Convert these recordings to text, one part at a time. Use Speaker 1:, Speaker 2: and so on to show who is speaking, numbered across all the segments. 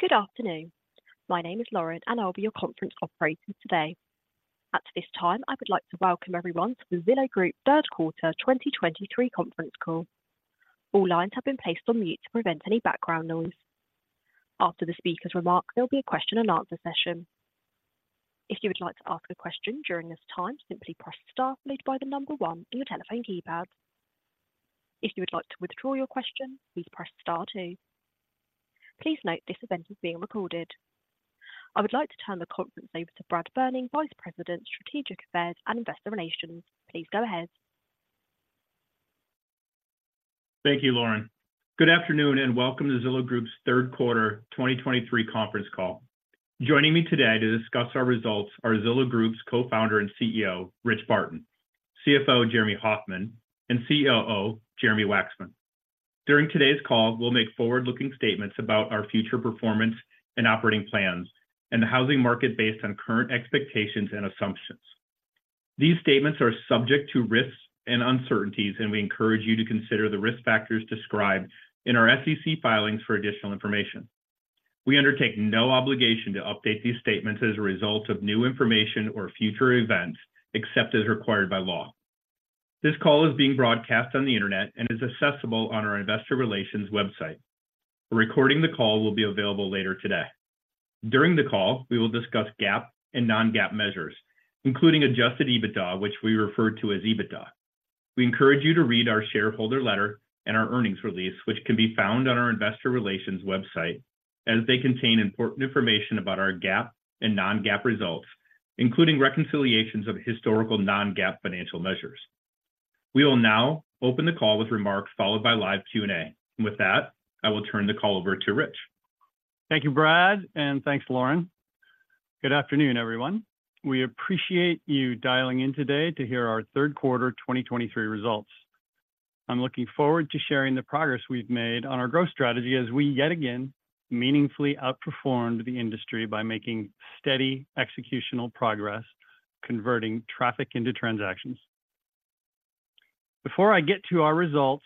Speaker 1: Good afternoon. My name is Lauren, and I'll be your conference operator today. At this time, I would like to welcome everyone to the Zillow Group Q3 2023 conference call. All lines have been placed on mute to prevent any background noise. After the speaker's remarks, there will be a question-and-answer session. If you would like to ask a question during this time, simply press star followed by the number one on your telephone keypad. If you would like to withdraw your question, please press star two. Please note this event is being recorded. I would like to turn the conference over to Brad Berning, Vice President, Strategic Affairs and Investor Relations. Please go ahead.
Speaker 2: Thank you, Lauren. Good afternoon, and welcome to Zillow Group's Q3 2023 conference call. Joining me today to discuss our results are Zillow Group's Co-founder and CEO, Rich Barton, CFO, Jeremy Hofmann, and COO, Jeremy Wacksman. During today's call, we'll make forward-looking statements about our future performance and operating plans and the housing market based on current expectations and assumptions. These statements are subject to risks and uncertainties, and we encourage you to consider the risk factors described in our SEC filings for additional information. We undertake no obligation to update these statements as a result of new information or future events, except as required by law. This call is being broadcast on the Internet and is accessible on our investor relations website. A recording of the call will be available later today. During the call, we will discuss GAAP and non-GAAP measures, including adjusted EBITDA, which we refer to as EBITDA. We encourage you to read our shareholder letter and our earnings release, which can be found on our investor relations website, as they contain important information about our GAAP and non-GAAP results, including reconciliations of historical non-GAAP financial measures. We will now open the call with remarks followed by live Q&A. With that, I will turn the call over to Rich.
Speaker 3: Thank you, Brad, and thanks, Lauren. Good afternoon, everyone. We appreciate you dialing in today to hear our Q3 2023 results. I'm looking forward to sharing the progress we've made on our growth strategy as we yet again meaningfully outperformed the industry by making steady executional progress, converting traffic into transactions. Before I get to our results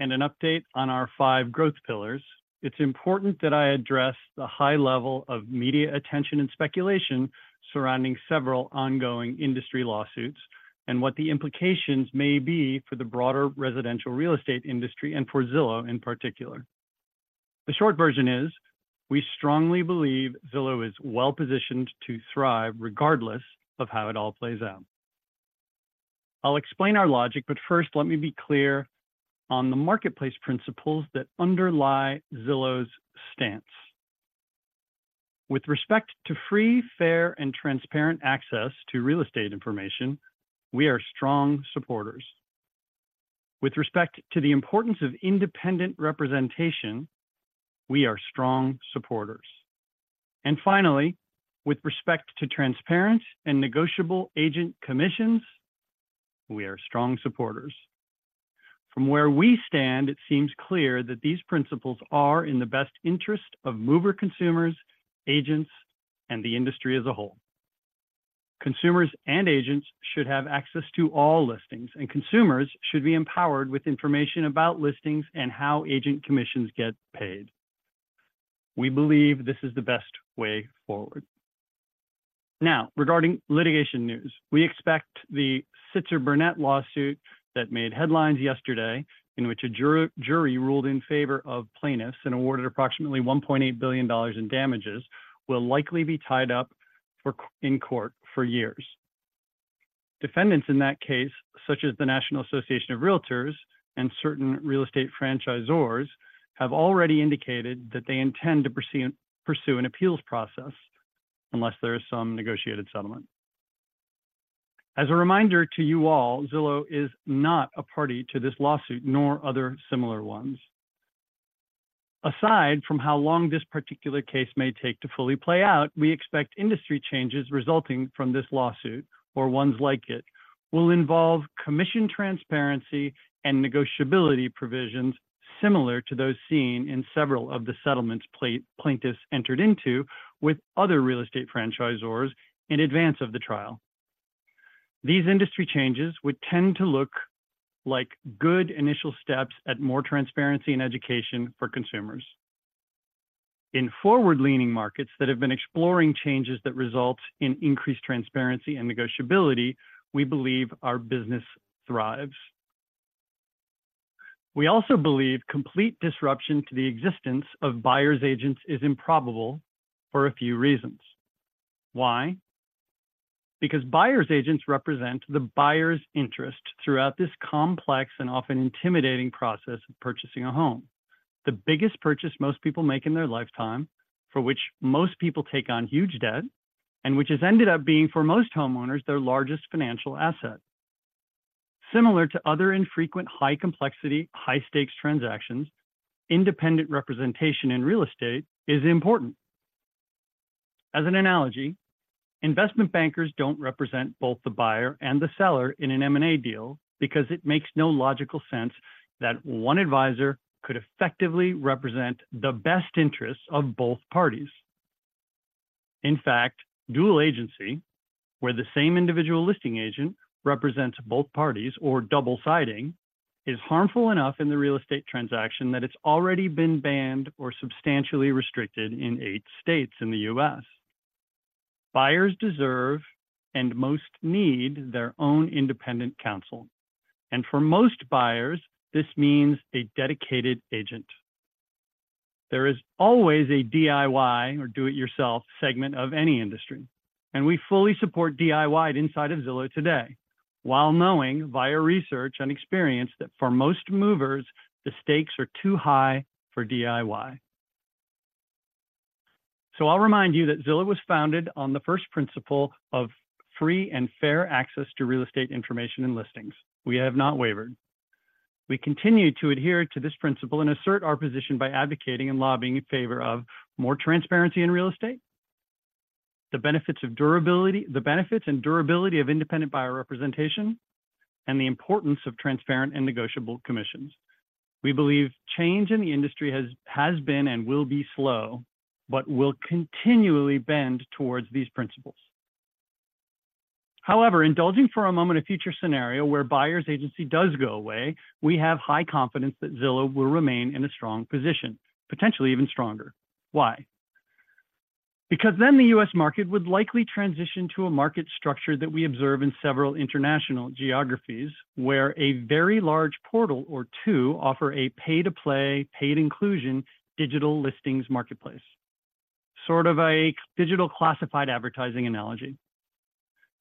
Speaker 3: and an update on our five growth pillars, it's important that I address the high level of media attention and speculation surrounding several ongoing industry lawsuits, and what the implications may be for the broader residential real estate industry and for Zillow in particular. The short version is, we strongly believe Zillow is well-positioned to thrive regardless of how it all plays out. I'll explain our logic, but first, let me be clear on the marketplace principles that underlie Zillow's stance. With respect to free, fair, and transparent access to real estate information, we are strong supporters. With respect to the importance of independent representation, we are strong supporters. And finally, with respect to transparent and negotiable agent commissions, we are strong supporters. From where we stand, it seems clear that these principles are in the best interest of mover consumers, agents, and the industry as a whole. Consumers and agents should have access to all listings, and consumers should be empowered with information about listings and how agent commissions get paid. We believe this is the best way forward. Now, regarding litigation news, we expect the Sitzer/Burnett lawsuit that made headlines yesterday, in which a jury ruled in favor of plaintiffs and awarded approximately $1.8 billion in damages, will likely be tied up in court for years. Defendants in that case, such as the National Association of Realtors and certain real estate franchisors, have already indicated that they intend to pursue an appeals process unless there is some negotiated settlement. As a reminder to you all, Zillow is not a party to this lawsuit, nor other similar ones. Aside from how long this particular case may take to fully play out, we expect industry changes resulting from this lawsuit, or ones like it, will involve commission transparency and negotiability provisions similar to those seen in several of the settlements plaintiffs entered into with other real estate franchisors in advance of the trial. These industry changes would tend to look like good initial steps at more transparency and education for consumers. In forward-leaning markets that have been exploring changes that result in increased transparency and negotiability, we believe our business thrives. We also believe complete disruption to the existence of buyer's agents is improbable for a few reasons. Why? Because buyer's agents represent the buyer's interest throughout this complex and often intimidating process of purchasing a home. The biggest purchase most people make in their lifetime, for which most people take on huge debt, and which has ended up being, for most homeowners, their largest financial asset. Similar to other infrequent, high-complexity, high-stakes transactions, independent representation in real estate is important. As an analogy, investment bankers don't represent both the buyer and the seller in an M&A deal because it makes no logical sense that one advisor could effectively represent the best interests of both parties. In fact, dual agency, where the same individual listing agent represents both parties or double siding, is harmful enough in the real estate transaction that it's already been banned or substantially restricted in eight states in the U.S. Buyers deserve, and most need, their own independent counsel, and for most buyers, this means a dedicated agent. There is always a DIY, or do-it-yourself, segment of any industry, and we fully support DIY inside of Zillow today, while knowing, via research and experience, that for most movers, the stakes are too high for DIY. So I'll remind you that Zillow was founded on the first principle of free and fair access to real estate information and listings. We have not wavered. We continue to adhere to this principle and assert our position by advocating and lobbying in favor of more transparency in real estate. The benefits of durability, the benefits and durability of independent buyer representation, and the importance of transparent and negotiable commissions. We believe change in the industry has been and will be slow, but will continually bend towards these principles. However, indulging for a moment, a future scenario where buyer's agency does go away, we have high confidence that Zillow will remain in a strong position, potentially even stronger. Why? Because then the U.S. market would likely transition to a market structure that we observe in several international geographies, where a very large portal or two offer a pay-to-play, paid inclusion, digital listings marketplace. Sort of a digital classified advertising analogy.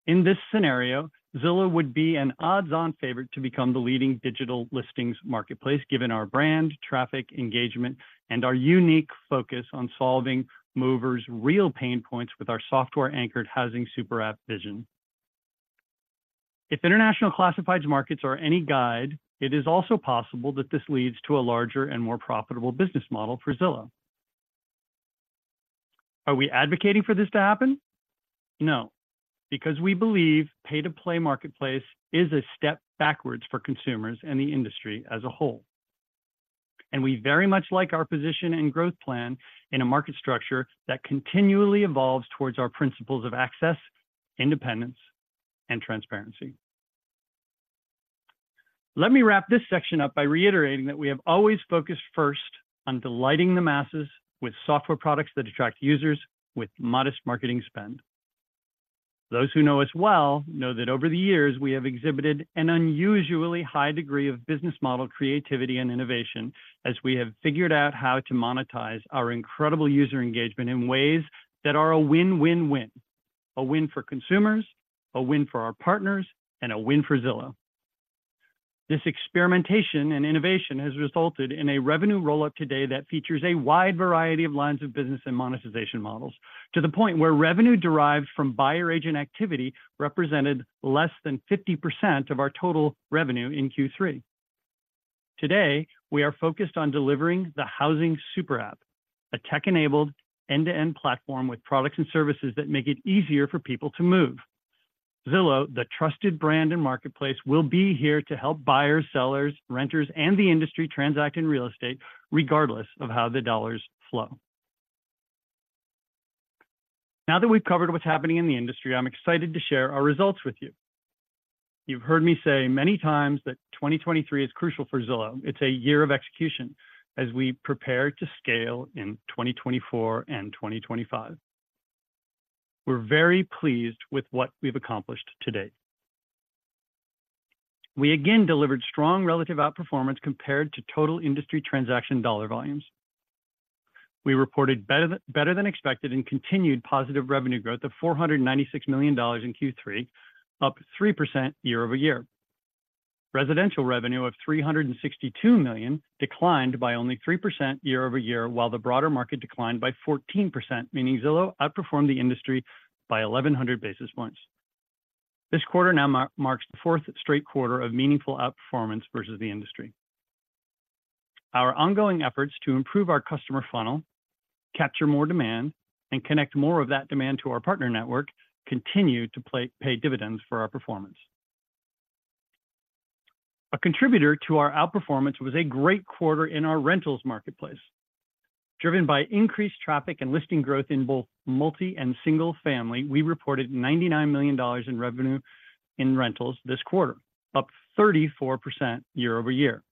Speaker 3: In this scenario, Zillow would be an odds-on favorite to become the leading digital listings marketplace, given our brand, traffic, engagement, and our unique focus on solving movers' real pain points with our software-anchored Housing Super App vision. If international classifieds markets are any guide, it is also possible that this leads to a larger and more profitable business model for Zillow. Are we advocating for this to happen? No, because we believe pay-to-play marketplace is a step backwards for consumers and the industry as a whole. We very much like our position and growth plan in a market structure that continually evolves towards our principles of access, independence, and transparency. Let me wrap this section up by reiterating that we have always focused first on delighting the masses with software products that attract users with modest marketing spend. Those who know us well, know that over the years, we have exhibited an unusually high degree of business model creativity and innovation, as we have figured out how to monetize our incredible user engagement in ways that are a win, win, win. A win for consumers, a win for our partners, and a win for Zillow. This experimentation and innovation has resulted in a revenue rollout today that features a wide variety of lines of business and monetization models, to the point where revenue derived from buyer agent activity represented less than 50% of our total revenue in Q3. Today, we are focused on delivering the Housing Super App, a tech-enabled end-to-end platform with products and services that make it easier for people to move. Zillow, the trusted brand and marketplace, will be here to help buyers, sellers, renters, and the industry transact in real estate, regardless of how the dollars flow. Now that we've covered what's happening in the industry, I'm excited to share our results with you. You've heard me say many times that 2023 is crucial for Zillow. It's a year of execution as we prepare to scale in 2024 and 2025. We're very pleased with what we've accomplished to date. We again delivered strong relative outperformance compared to total industry transaction dollar volumes. We reported better than expected and continued positive revenue growth of $496 million in Q3, up 3% year-over-year. Residential revenue of $362 million declined by only 3% year-over-year, while the broader market declined by 14%, meaning Zillow outperformed the industry by 1,100 basis points. This quarter now marks the fourth straight quarter of meaningful outperformance versus the industry. Our ongoing efforts to improve our customer funnel, capture more demand, and connect more of that demand to our partner network, continue to pay dividends for our performance. A contributor to our outperformance was a great quarter in our rentals marketplace. Driven by increased traffic and listing growth in both multi and single family, we reported $99 million in revenue in rentals this quarter, up 34% year-over-year.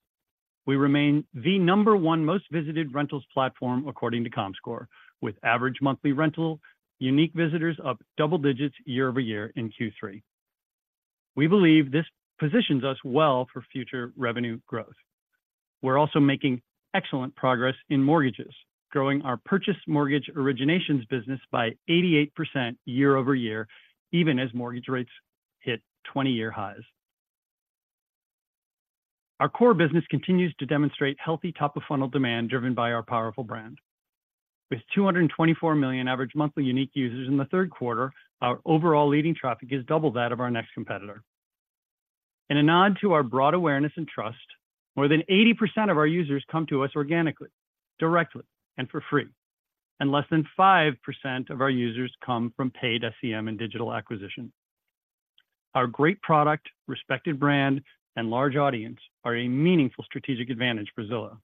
Speaker 3: We remain the number one most visited rentals platform, according to Comscore, with average monthly rental, unique visitors up double digits year-over-year in Q3. We believe this positions us well for future revenue growth. We're also making excellent progress in mortgages, growing our purchase mortgage originations business by 88% year-over-year, even as mortgage rates hit 20-year highs. Our core business continues to demonstrate healthy top-of-funnel demand, driven by our powerful brand. With 224 million average monthly unique users in the Q3, our overall leading traffic is double that of our next competitor. In a nod to our broad awareness and trust, more than 80% of our users come to us organically, directly, and for free, and less than 5% of our users come from paid SEM and digital acquisition. Our great product, respected brand, and large audience are a meaningful strategic advantage for Zillow.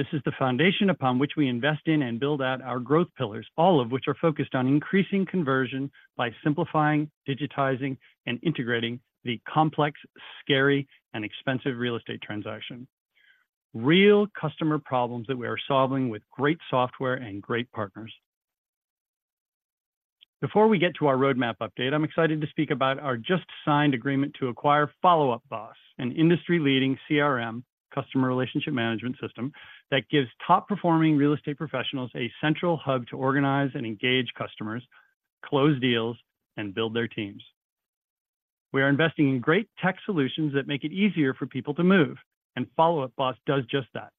Speaker 3: This is the foundation upon which we invest in and build out our growth pillars, all of which are focused on increasing conversion by simplifying, digitizing, and integrating the complex, scary, and expensive real estate transaction. Real customer problems that we are solving with great software and great partners. Before we get to our roadmap update, I'm excited to speak about our just-signed agreement to acquire Follow Up Boss, an industry-leading CRM, customer relationship management system, that gives top-performing real estate professionals a central hub to organize and engage customers, close deals, and build their teams. We are investing in great tech solutions that make it easier for people to move, and Follow Up Boss does just that.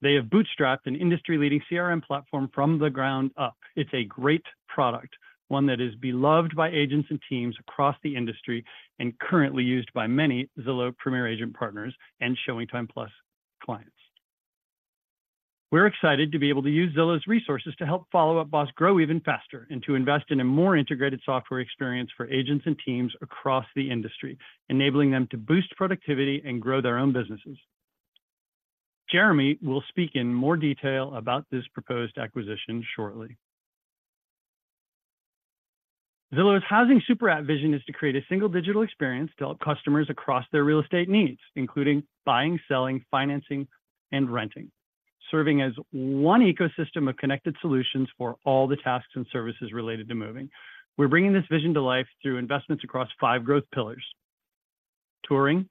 Speaker 3: They have bootstrapped an industry-leading CRM platform from the ground up. It's a great product, one that is beloved by agents and teams across the industry, and currently used by many Zillow Premier Agent partners and ShowingTime+ clients. We're excited to be able to use Zillow's resources to help Follow Up Boss grow even faster, and to invest in a more integrated software experience for agents and teams across the industry, enabling them to boost productivity and grow their own businesses. Jeremy will speak in more detail about this proposed acquisition shortly. Zillow's Housing Super App vision is to create a single digital experience to help customers across their real estate needs, including buying, selling, financing, and renting, serving as one ecosystem of connected solutions for all the tasks and services related to moving. We're bringing this vision to life through investments across five growth pillars: touring,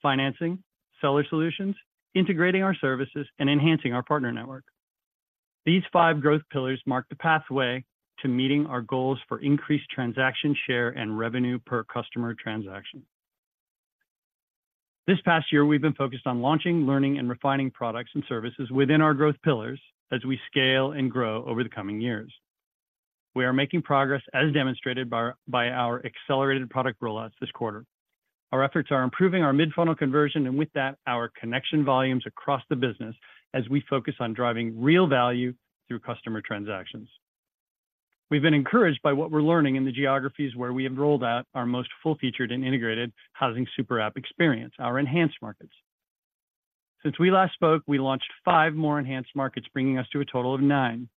Speaker 3: financing, seller solutions, integrating our services, and enhancing our partner network. These five growth pillars mark the pathway to meeting our goals for increased transaction share and revenue per customer transaction. This past year, we've been focused on launching, learning, and refining products and services within our growth pillars as we scale and grow over the coming years. We are making progress, as demonstrated by our accelerated product rollouts this quarter. Our efforts are improving our mid-funnel conversion, and with that, our connection volumes across the business as we focus on driving real value through customer transactions. We've been encouraged by what we're learning in the geographies where we have rolled out our most full-featured and integrated Housing Super App experience, our enhanced markets. Since we last spoke, we launched five more enhanced markets, bringing us to a total of nine.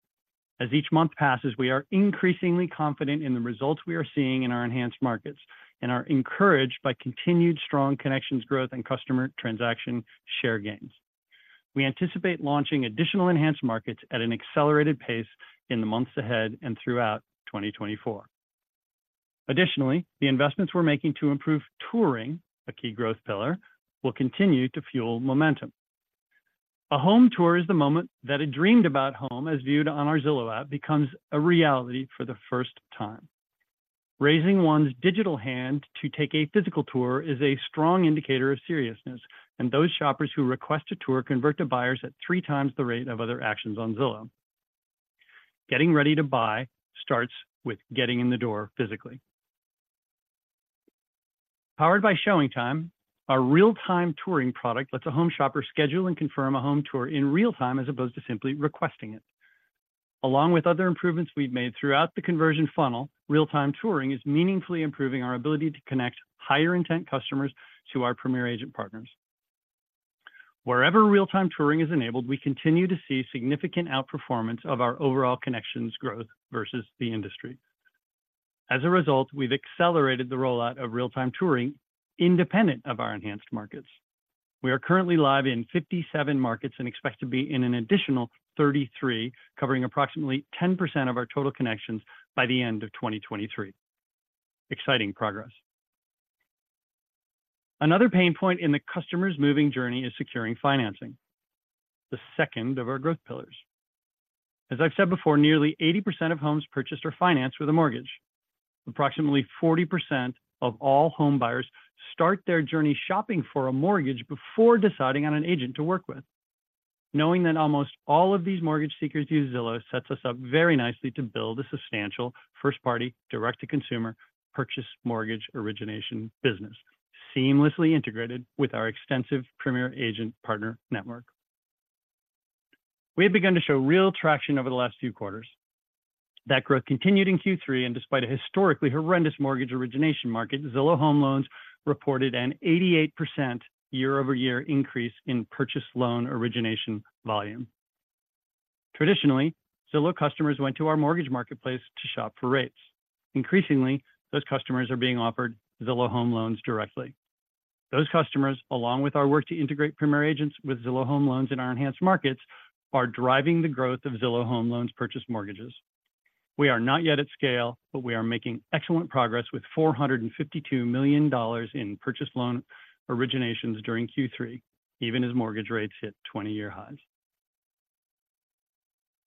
Speaker 3: As each month passes, we are increasingly confident in the results we are seeing in our enhanced markets and are encouraged by continued strong connections, growth, and customer transaction share gains. We anticipate launching additional enhanced markets at an accelerated pace in the months ahead and throughout 2024. Additionally, the investments we're making to improve touring, a key growth pillar, will continue to fuel momentum. A home tour is the moment that a dreamed about home, as viewed on our Zillow app, becomes a reality for the first time. Raising one's digital hand to take a physical tour is a strong indicator of seriousness, and those shoppers who request a tour convert to buyers at three times the rate of other actions on Zillow. Getting ready to buy starts with getting in the door physically. Powered by ShowingTime, our real-time touring product lets a home shopper schedule and confirm a home tour in real time, as opposed to simply requesting it. Along with other improvements we've made throughout the conversion funnel, real-time touring is meaningfully improving our ability to connect higher intent customers to our Premier Agent partners. Wherever real-time touring is enabled, we continue to see significant outperformance of our overall connections growth versus the industry. As a result, we've accelerated the rollout of real-time touring independent of our enhanced markets. We are currently live in 57 markets and expect to be in an additional 33, covering approximately 10% of our total connections by the end of 2023. Exciting progress. Another pain point in the customer's moving journey is securing financing, the second of our growth pillars. As I've said before, nearly 80% of homes purchased are financed with a mortgage. Approximately 40% of all home buyers start their journey shopping for a mortgage before deciding on an agent to work with. Knowing that almost all of these mortgage seekers use Zillow sets us up very nicely to build a substantial first-party, direct-to-consumer, purchase mortgage origination business, seamlessly integrated with our extensive Premier Agent partner network. We have begun to show real traction over the last few quarters. That growth continued in Q3, and despite a historically horrendous mortgage origination market, Zillow Home Loans reported an 88% year-over-year increase in purchase loan origination volume. Traditionally, Zillow customers went to our mortgage marketplace to shop for rates. Increasingly, those customers are being offered Zillow Home Loans directly. Those customers, along with our work to integrate Premier Agents with Zillow Home Loans in our enhanced markets, are driving the growth of Zillow Home Loans purchase mortgages. We are not yet at scale, but we are making excellent progress with $452 million in purchase loan originations during Q3, even as mortgage rates hit 20-year highs.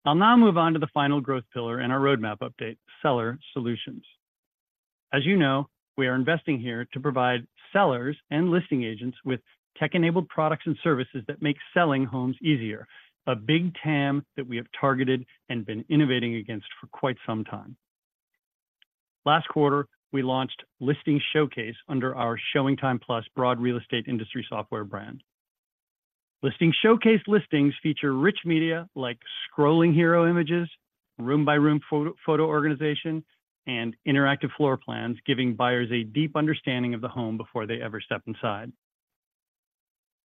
Speaker 3: I'll now move on to the final growth pillar in our roadmap update, Seller Solutions. As you know, we are investing here to provide sellers and listing agents with tech-enabled products and services that make selling homes easier, a big TAM that we have targeted and been innovating against for quite some time. Last quarter, we launched Listing Showcase under our ShowingTime+ broad real estate industry software brand. Listing Showcase listings feature rich media like scrolling hero images, room-by-room photo, photo organization, and interactive floor plans, giving buyers a deep understanding of the home before they ever step inside.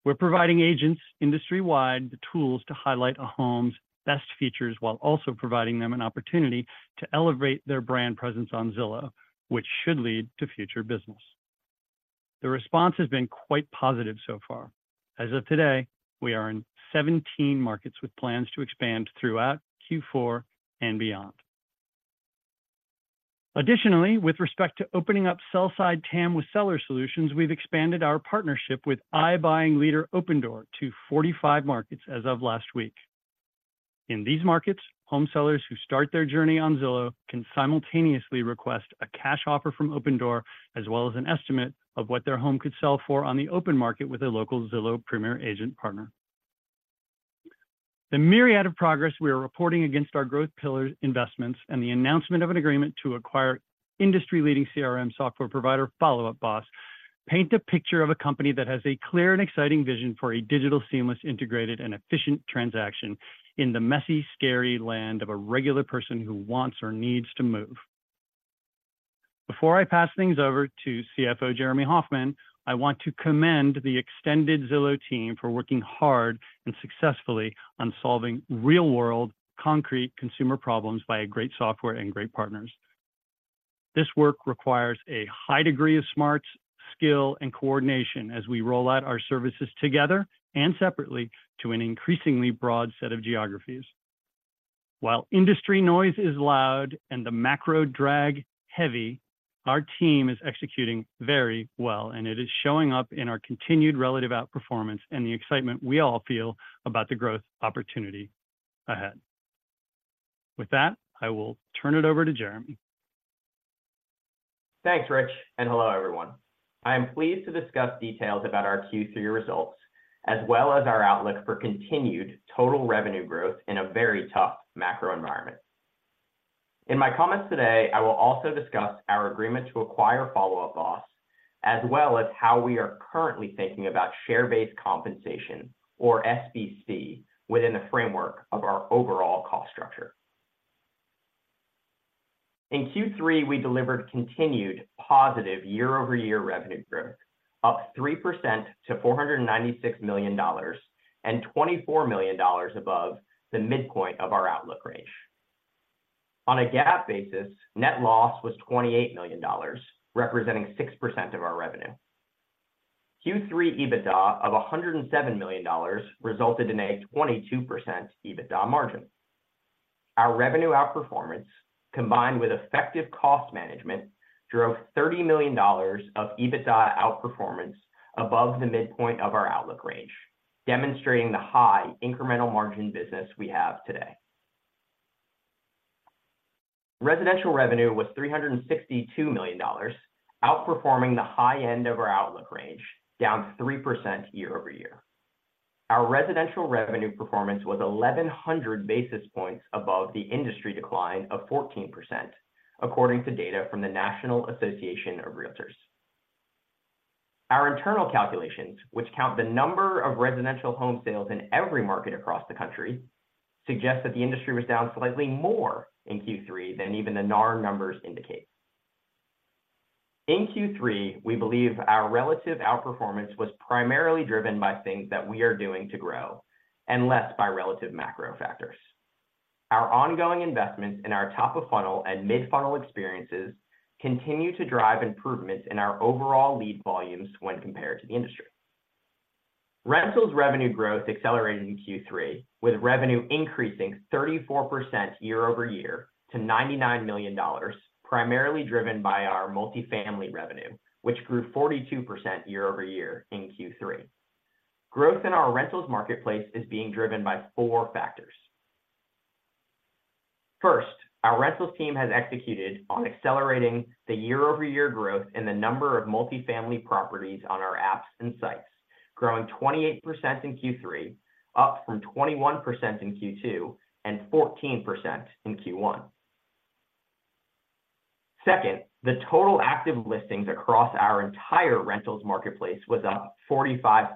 Speaker 3: We're providing agents industry-wide the tools to highlight a home's best features, while also providing them an opportunity to elevate their brand presence on Zillow, which should lead to future business. The response has been quite positive so far. As of today, we are in 17 markets, with plans to expand throughout Q4 and beyond. Additionally, with respect to opening up sell-side TAM with Seller Solutions, we've expanded our partnership with iBuying leader, Opendoor, to 45 markets as of last week. In these markets, home sellers who start their journey on Zillow can simultaneously request a cash offer from Opendoor, as well as an estimate of what their home could sell for on the open market with a local Zillow Premier Agent partner. The myriad of progress we are reporting against our growth pillar investments and the announcement of an agreement to acquire industry-leading CRM software provider, Follow Up Boss, paint a picture of a company that has a clear and exciting vision for a digital, seamless, integrated, and efficient transaction in the messy, scary land of a regular person who wants or needs to move. Before I pass things over to CFO, Jeremy Hofmann, I want to commend the extended Zillow team for working hard and successfully on solving real-world, concrete consumer problems via great software and great partners. This work requires a high degree of smarts, skill, and coordination as we roll out our services together and separately to an increasingly broad set of geographies. While industry noise is loud and the macro drag heavy, our team is executing very well, and it is showing up in our continued relative outperformance and the excitement we all feel about the growth opportunity ahead. With that, I will turn it over to Jeremy.
Speaker 4: Thanks, Rich, and hello, everyone. I am pleased to discuss details about our Q3 results, as well as our outlook for continued total revenue growth in a very tough macro environment. In my comments today, I will also discuss our agreement to acquire Follow Up Boss, as well as how we are currently thinking about share-based compensation, or SBC, within the framework of our overall cost structure. In Q3, we delivered continued positive year-over-year revenue growth, up 3% to $496 million and $24 million above the midpoint of our outlook range. On a GAAP basis, net loss was $28 million, representing 6% of our revenue. Q3 EBITDA of $107 million resulted in a 22% EBITDA margin. Our revenue outperformance, combined with effective cost management, drove $30 million of EBITDA outperformance above the midpoint of our outlook range, demonstrating the high incremental margin business we have today. Residential revenue was $362 million, outperforming the high end of our outlook range, down 3% year-over-year. Our residential revenue performance was 1,100 basis points above the industry decline of 14%, according to data from the National Association of Realtors. Our internal calculations, which count the number of residential home sales in every market across the country, suggest that the industry was down slightly more in Q3 than even the NAR numbers indicate. In Q3, we believe our relative outperformance was primarily driven by things that we are doing to grow and less by relative macro factors. Our ongoing investments in our top-of-funnel and mid-funnel experiences continue to drive improvements in our overall lead volumes when compared to the industry. Rentals revenue growth accelerated in Q3, with revenue increasing 34% year-over-year to $99 million, primarily driven by our multifamily revenue, which grew 42% year-over-year in Q3. Growth in our rentals marketplace is being driven by four factors. First, our rentals team has executed on accelerating the year-over-year growth in the number of multifamily properties on our apps and sites, growing 28% in Q3, up from 21% in Q2 and 14% in Q1. Second, the total active listings across our entire rentals marketplace was up 45%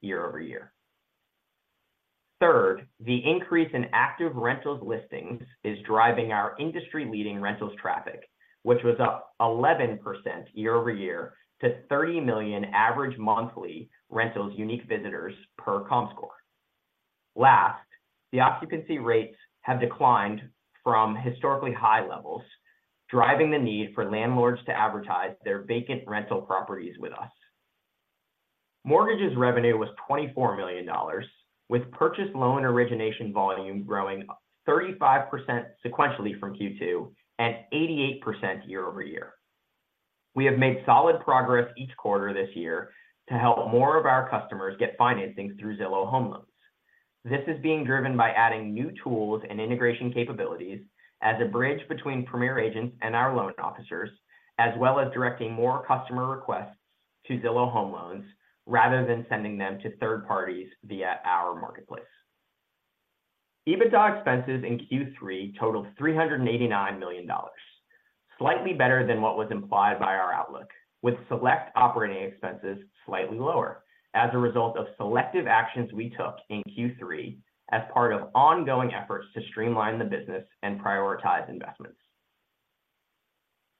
Speaker 4: year-over-year. Third, the increase in active rentals listings is driving our industry-leading rentals traffic, which was up 11% year-over-year to 30 million average monthly rentals unique visitors per Comscore. Last, the occupancy rates have declined from historically high levels, driving the need for landlords to advertise their vacant rental properties with us. Mortgages revenue was $24 million, with purchase loan origination volume growing 35% sequentially from Q2 and 88% year-over-year. We have made solid progress each quarter this year to help more of our customers get financing through Zillow Home Loans. This is being driven by adding new tools and integration capabilities as a bridge between Premier Agents and our loan officers, as well as directing more customer requests to Zillow Home Loans rather than sending them to third parties via our marketplace. EBITDA expenses in Q3 totaled $389 million, slightly better than what was implied by our outlook, with select operating expenses slightly lower as a result of selective actions we took in Q3 as part of ongoing efforts to streamline the business and prioritize investments.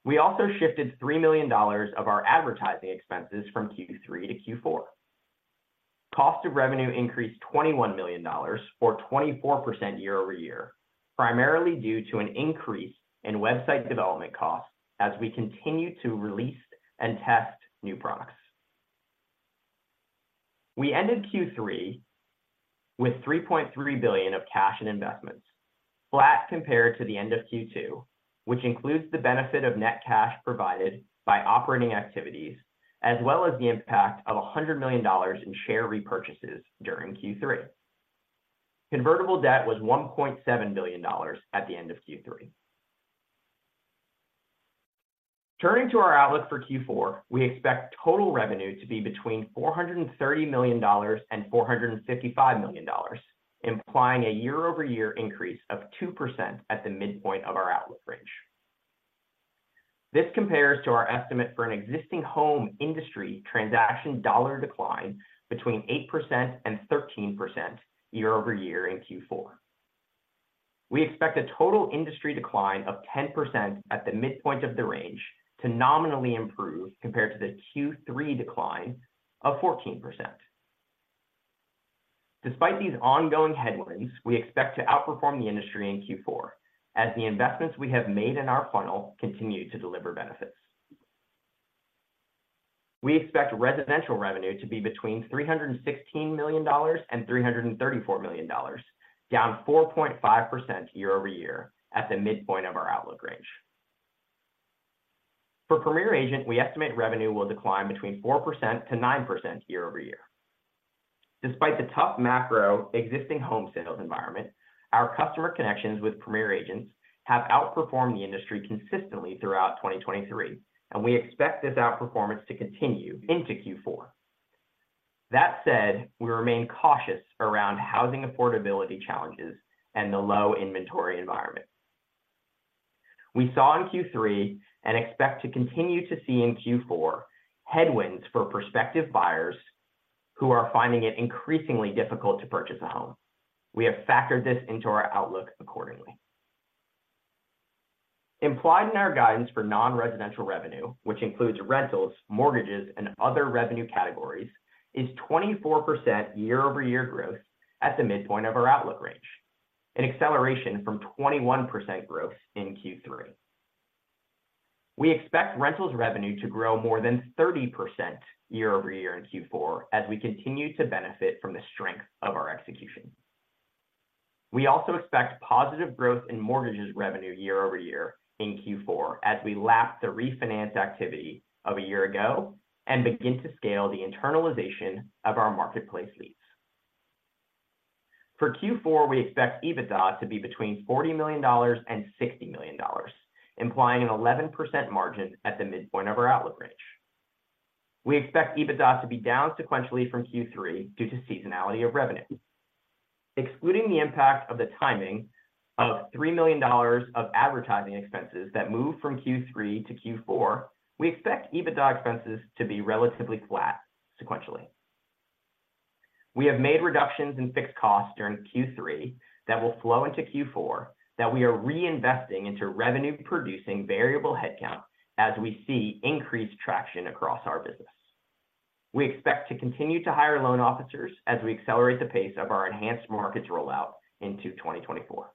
Speaker 4: We also shifted $3 million of our advertising expenses from Q3 to Q4. Cost of revenue increased $21 million, or 24% year-over-year, primarily due to an increase in website development costs as we continue to release and test new products. We ended Q3 with $3.3 billion of cash and investments, flat compared to the end of Q2, which includes the benefit of net cash provided by operating activities, as well as the impact of $100 million in share repurchases during Q3. Convertible debt was $1.7 million at the end of Q3. Turning to our outlook for Q4, we expect total revenue to be between $430 million and $455 million, implying a year-over-year increase of 2% at the midpoint of our outlook range. This compares to our estimate for an existing home industry transaction dollar decline between 8% and 13% year-over-year in Q4. We expect a total industry decline of 10% at the midpoint of the range to nominally improve compared to the Q3 decline of 14%. Despite these ongoing headwinds, we expect to outperform the industry in Q4 as the investments we have made in our funnel continue to deliver benefits. We expect residential revenue to be between $316 million and $334 million, down 4.5% year-over-year at the midpoint of our outlook range. For Premier Agent, we estimate revenue will decline between 4%-9% year-over-year. Despite the tough macro existing home sales environment, our customer connections with Premier Agents have outperformed the industry consistently throughout 2023, and we expect this outperformance to continue into Q4. That said, we remain cautious around housing affordability challenges and the low inventory environment. We saw in Q3, and expect to continue to see in Q4, headwinds for prospective buyers who are finding it increasingly difficult to purchase a home. We have factored this into our outlook accordingly. Implied in our guidance for non-residential revenue, which includes rentals, mortgages, and other revenue categories, is 24% year-over-year growth at the midpoint of our outlook range, an acceleration from 21% growth in Q3. We expect rentals revenue to grow more than 30% year-over-year in Q4 as we continue to benefit from the strength of our execution. We also expect positive growth in mortgages revenue year-over-year in Q4 as we lap the refinance activity of a year ago and begin to scale the internalization of our marketplace leads. For Q4, we expect EBITDA to be between $40 million and $60 million, implying an 11% margin at the midpoint of our outlook range. We expect EBITDA to be down sequentially from Q3 due to seasonality of revenue. Excluding the impact of the timing of $3 million of advertising expenses that moved from Q3 to Q4, we expect EBITDA expenses to be relatively flat sequentially. We have made reductions in fixed costs during Q3 that will flow into Q4, that we are reinvesting into revenue-producing variable headcount as we see increased traction across our business. We expect to continue to hire loan officers as we accelerate the pace of our enhanced markets rollout into 2024.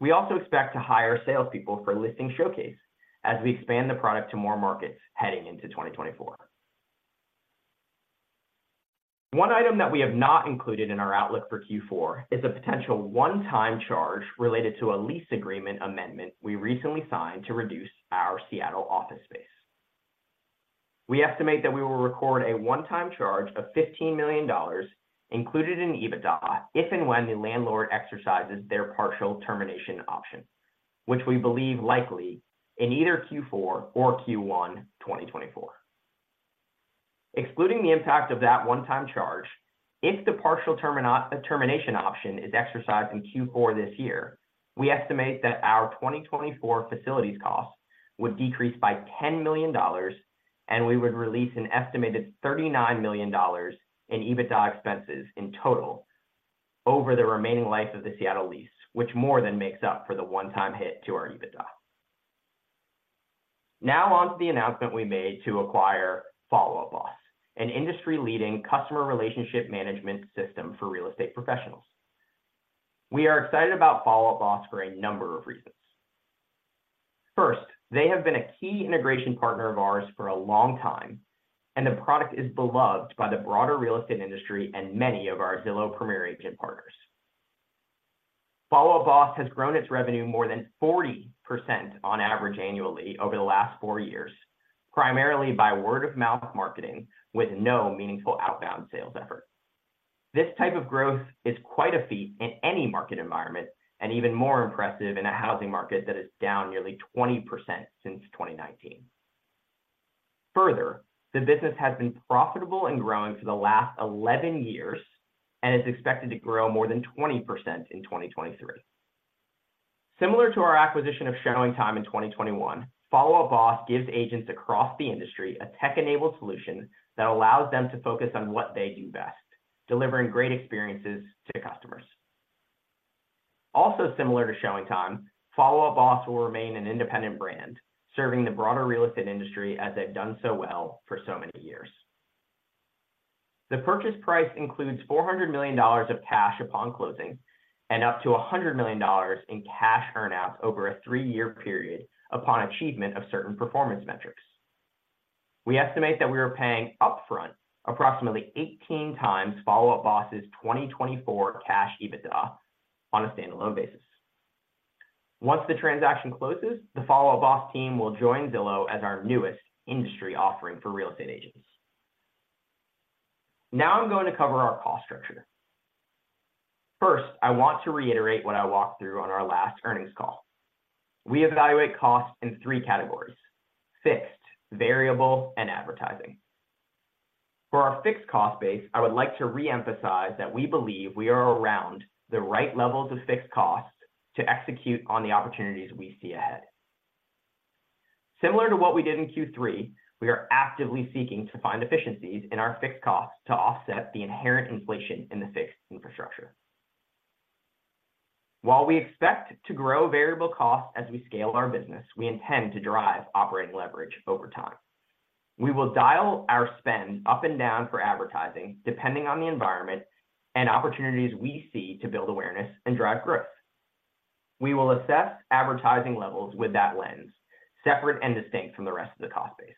Speaker 4: We also expect to hire salespeople for Listing Showcase as we expand the product to more markets heading into 2024. One item that we have not included in our outlook for Q4 is a potential one-time charge related to a lease agreement amendment we recently signed to reduce our Seattle office space. We estimate that we will record a one-time charge of $15 million included in EBITDA if and when the landlord exercises their partial termination option, which we believe likely in either Q4 or Q1 2024. Excluding the impact of that one-time charge, if the partial termination option is exercised in Q4 this year, we estimate that our 2024 facilities costs would decrease by $10 million, and we would release an estimated $39 million in EBITDA expenses in total over the remaining life of the Seattle lease, which more than makes up for the one-time hit to our EBITDA. Now, on to the announcement we made to acquire Follow Up Boss, an industry-leading customer relationship management system for real estate professionals. We are excited about Follow Up Boss for a number of reasons. First, they have been a key integration partner of ours for a long time, and the product is beloved by the broader real estate industry and many of our Zillow Premier Agent partners. Follow Up Boss has grown its revenue more than 40% on average annually over the last four years, primarily by word-of-mouth marketing with no meaningful outbound sales effort. This type of growth is quite a feat in any market environment, and even more impressive in a housing market that is down nearly 20% since 2019. Further, the business has been profitable and growing for the last 11 years, and is expected to grow more than 20% in 2023. Similar to our acquisition of ShowingTime in 2021, Follow Up Boss gives agents across the industry a tech-enabled solution that allows them to focus on what they do best: delivering great experiences to customers. Also similar to ShowingTime, Follow Up Boss will remain an independent brand, serving the broader real estate industry as they've done so well for so many years. The purchase price includes $400 million of cash upon closing, and up to $100 million in cash earn-outs over a three-year period upon achievement of certain performance metrics. We estimate that we are paying upfront approximately 18 times Follow Up Boss's 2024 cash EBITDA on a standalone basis. Once the transaction closes, the Follow Up Boss team will join Zillow as our newest industry offering for real estate agents. Now I'm going to cover our cost structure. First, I want to reiterate what I walked through on our last earnings call. We evaluate costs in three categories: fixed, variable, and advertising. For our fixed cost base, I would like to reemphasize that we believe we are around the right levels of fixed costs to execute on the opportunities we see ahead. Similar to what we did in Q3, we are actively seeking to find efficiencies in our fixed costs to offset the inherent inflation in the fixed infrastructure. While we expect to grow variable costs as we scale our business, we intend to drive operating leverage over time. We will dial our spend up and down for advertising, depending on the environment and opportunities we see to build awareness and drive growth. We will assess advertising levels with that lens, separate and distinct from the rest of the cost base.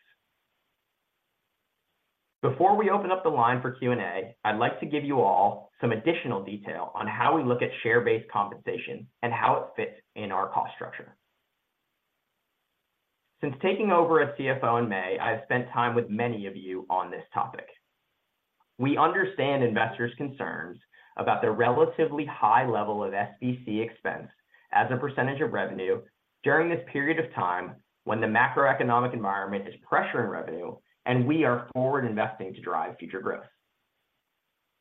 Speaker 4: Before we open up the line for Q&A, I'd like to give you all some additional detail on how we look at share-based compensation and how it fits in our cost structure. Since taking over as CFO in May, I have spent time with many of you on this topic. We understand investors concerns about the relatively high level of SBC expense as a percentage of revenue during this period of time when the macroeconomic environment is pressuring revenue, and we are forward investing to drive future growth.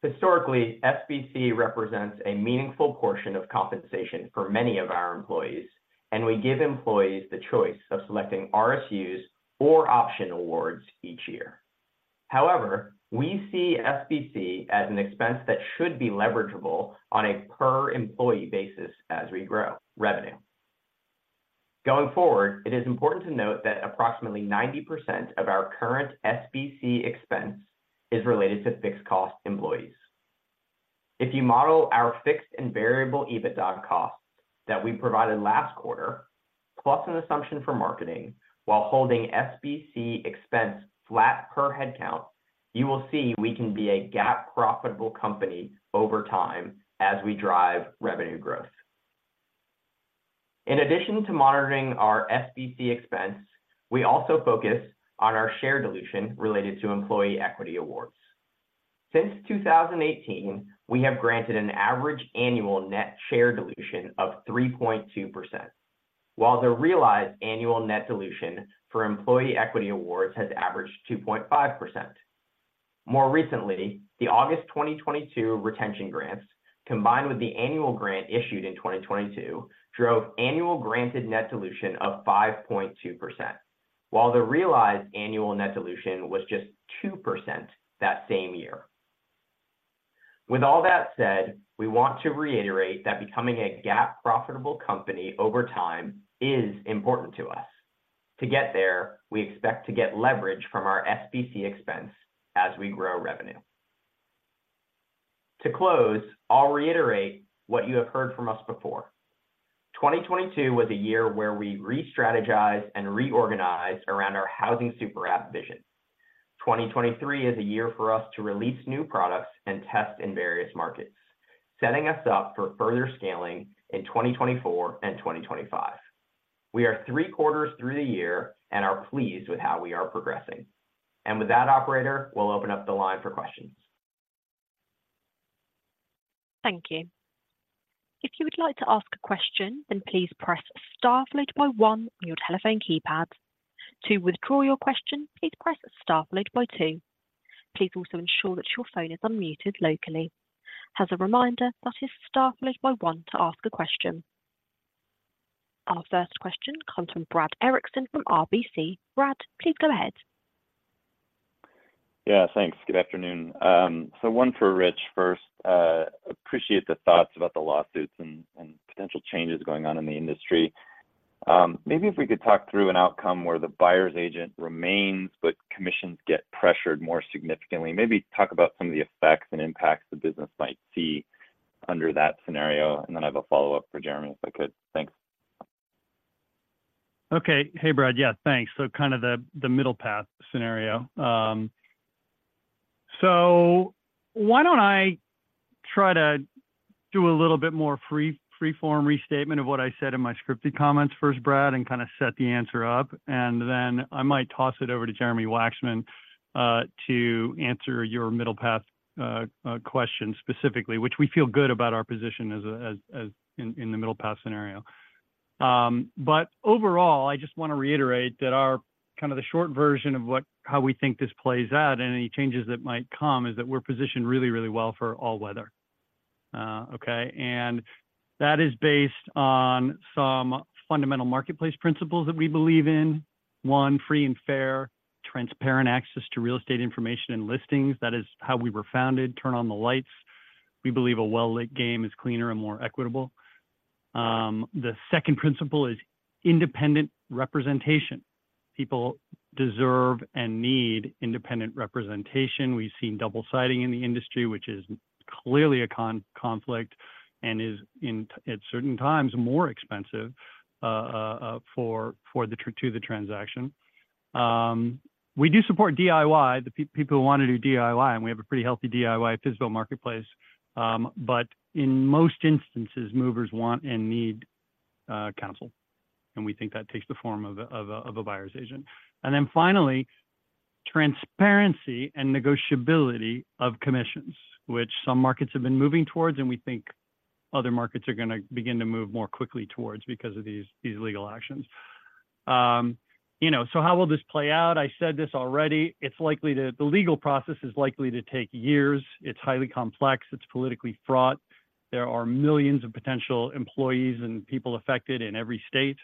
Speaker 4: Historically, SBC represents a meaningful portion of compensation for many of our employees, and we give employees the choice of selecting RSUs or option awards each year. However, we see SBC as an expense that should be leverageable on a per-employee basis as we grow revenue. Going forward, it is important to note that approximately 90% of our current SBC expense is related to fixed cost employees. If you model our fixed and variable EBITDA costs that we provided last quarter, plus an assumption for marketing, while holding SBC expense flat per headcount, you will see we can be a GAAP profitable company over time as we drive revenue growth. In addition to monitoring our SBC expense, we also focus on our share dilution related to employee equity awards. Since 2018, we have granted an average annual net share dilution of 3.2%, while the realized annual net dilution for employee equity awards has averaged 2.5%. More recently, the August 2022 retention grants, combined with the annual grant issued in 2022, drove annual granted net dilution of 5.2%, while the realized annual net dilution was just 2% that same year. With all that said, we want to reiterate that becoming a GAAP profitable company over time is important to us. To get there, we expect to get leverage from our SBC expense as we grow revenue. To close, I'll reiterate what you have heard from us before. 2022 was a year where we restrategized and reorganized around our Housing Super App vision. 2023 is a year for us to release new products and test in various markets, setting us up for further scaling in 2024 and 2025. We are three quarters through the year and are pleased with how we are progressing. With that, operator, we'll open up the line for questions.
Speaker 1: Thank you. If you would like to ask a question, then please press star followed by one on your telephone keypad. To withdraw your question, please press star followed by two. Please also ensure that your phone is unmuted locally. As a reminder, that is star followed by one to ask a question. Our first question comes from Brad Erickson from RBC. Brad, please go ahead.
Speaker 5: Yeah, thanks. Good afternoon. So one for Rich first. Appreciate the thoughts about the lawsuits and, and potential changes going on in the industry. Maybe if we could talk through an outcome where the buyer's agent remains, but commissions get pressured more significantly. Maybe talk about some of the effects and impacts the business might see under that scenario, and then I have a follow-up for Jeremy, if I could. Thanks.
Speaker 3: Okay. Hey, Brad. Yeah, thanks. So kind of the middle path scenario. So why don't I try to do a little bit more free form restatement of what I said in my scripted comments first, Brad, and kind of set the answer up, and then I might toss it over to Jeremy Wacksman to answer your middle path question specifically, which we feel good about our position as a, as in the middle path scenario. But overall, I just wanna reiterate that our kind of the short version of what, how we think this plays out, and any changes that might come, is that we're positioned really, really well for all weather. Okay? And that is based on some fundamental marketplace principles that we believe in. One, free and fair, transparent access to real estate information and listings. That is how we were founded, Turn On the Lights. We believe a well-lit game is cleaner and more equitable. The second principle is independent representation. People deserve and need independent representation. We've seen double-siding in the industry, which is clearly a conflict, and is, in, at certain times, more expensive for to the transaction. We do support DIY, the people who wanna do DIY, and we have a pretty healthy DIY physical marketplace. But in most instances, movers want and need counsel, and we think that takes the form of a buyer's agent. And then finally, transparency and negotiability of commissions, which some markets have been moving towards, and we think other markets are gonna begin to move more quickly towards because of these legal actions. You know, so how will this play out? I said this already, it's likely that the legal process is likely to take years. It's highly complex. It's politically fraught. There are millions of potential employees and people affected in every state.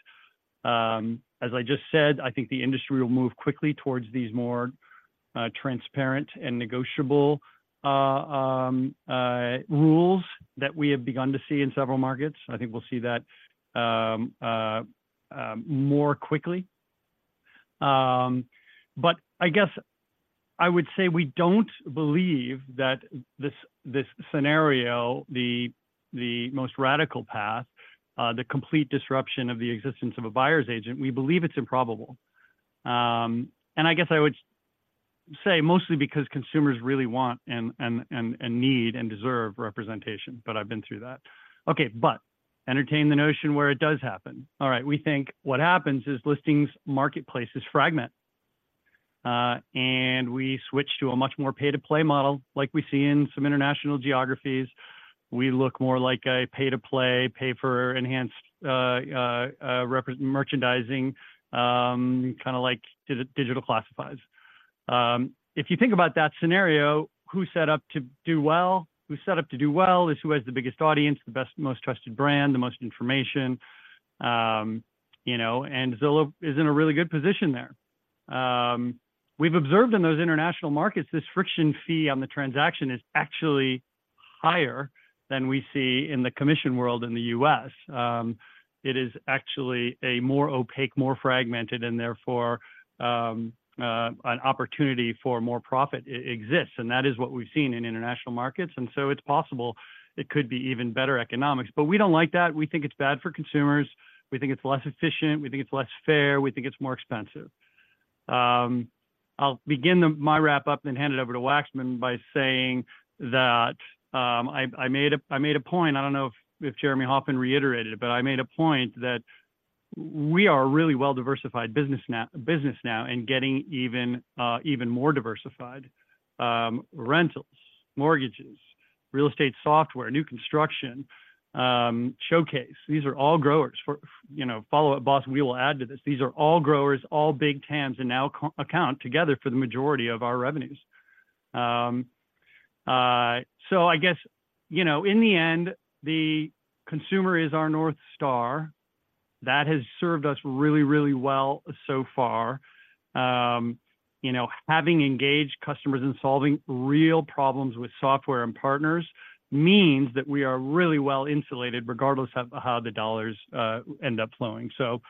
Speaker 3: As I just said, I think the industry will move quickly towards these more transparent and negotiable rules that we have begun to see in several markets. I think we'll see that more quickly. But I guess I would say we don't believe that this scenario, the most radical path, the complete disruption of the existence of a buyer's agent, we believe it's improbable. And I guess I would say, mostly because consumers really want and need and deserve representation, but I've been through that. Okay, but entertain the notion where it does happen. All right, we think what happens is listings, marketplaces fragment, and we switch to a much more pay-to-play model like we see in some international geographies. We look more like a pay-to-play, pay for enhanced premium merchandising, kind of like digital classifieds. If you think about that scenario, who's set up to do well? Who's set up to do well is who has the biggest audience, the best, most trusted brand, the most information, you know, and Zillow is in a really good position there. We've observed in those international markets, this friction fee on the transaction is actually higher than we see in the commission world in the U.S. It is actually a more opaque, more fragmented, and therefore, an opportunity for more profit exists, and that is what we've seen in international markets, and so it's possible it could be even better economics. But we don't like that. We think it's bad for consumers. We think it's less efficient. We think it's less fair. We think it's more expensive. I'll begin my wrap up and hand it over to Wacksman by saying that, I made a point, I don't know if Jeremy Hofmann reiterated it, but I made a point that we are a really well-diversified business now, and getting even more diversified. Rentals, mortgages, real estate software, new construction, showcase, these are all growers. For, you know, Follow Up Boss, we will add to this. These are all growers, all big TAMs, and now co-account together for the majority of our revenues. So I guess, you know, in the end, the consumer is our North Star. That has served us really, really well so far. You know, having engaged customers in solving real problems with software and partners means that we are really well insulated, regardless of how the dollars end up flowing. So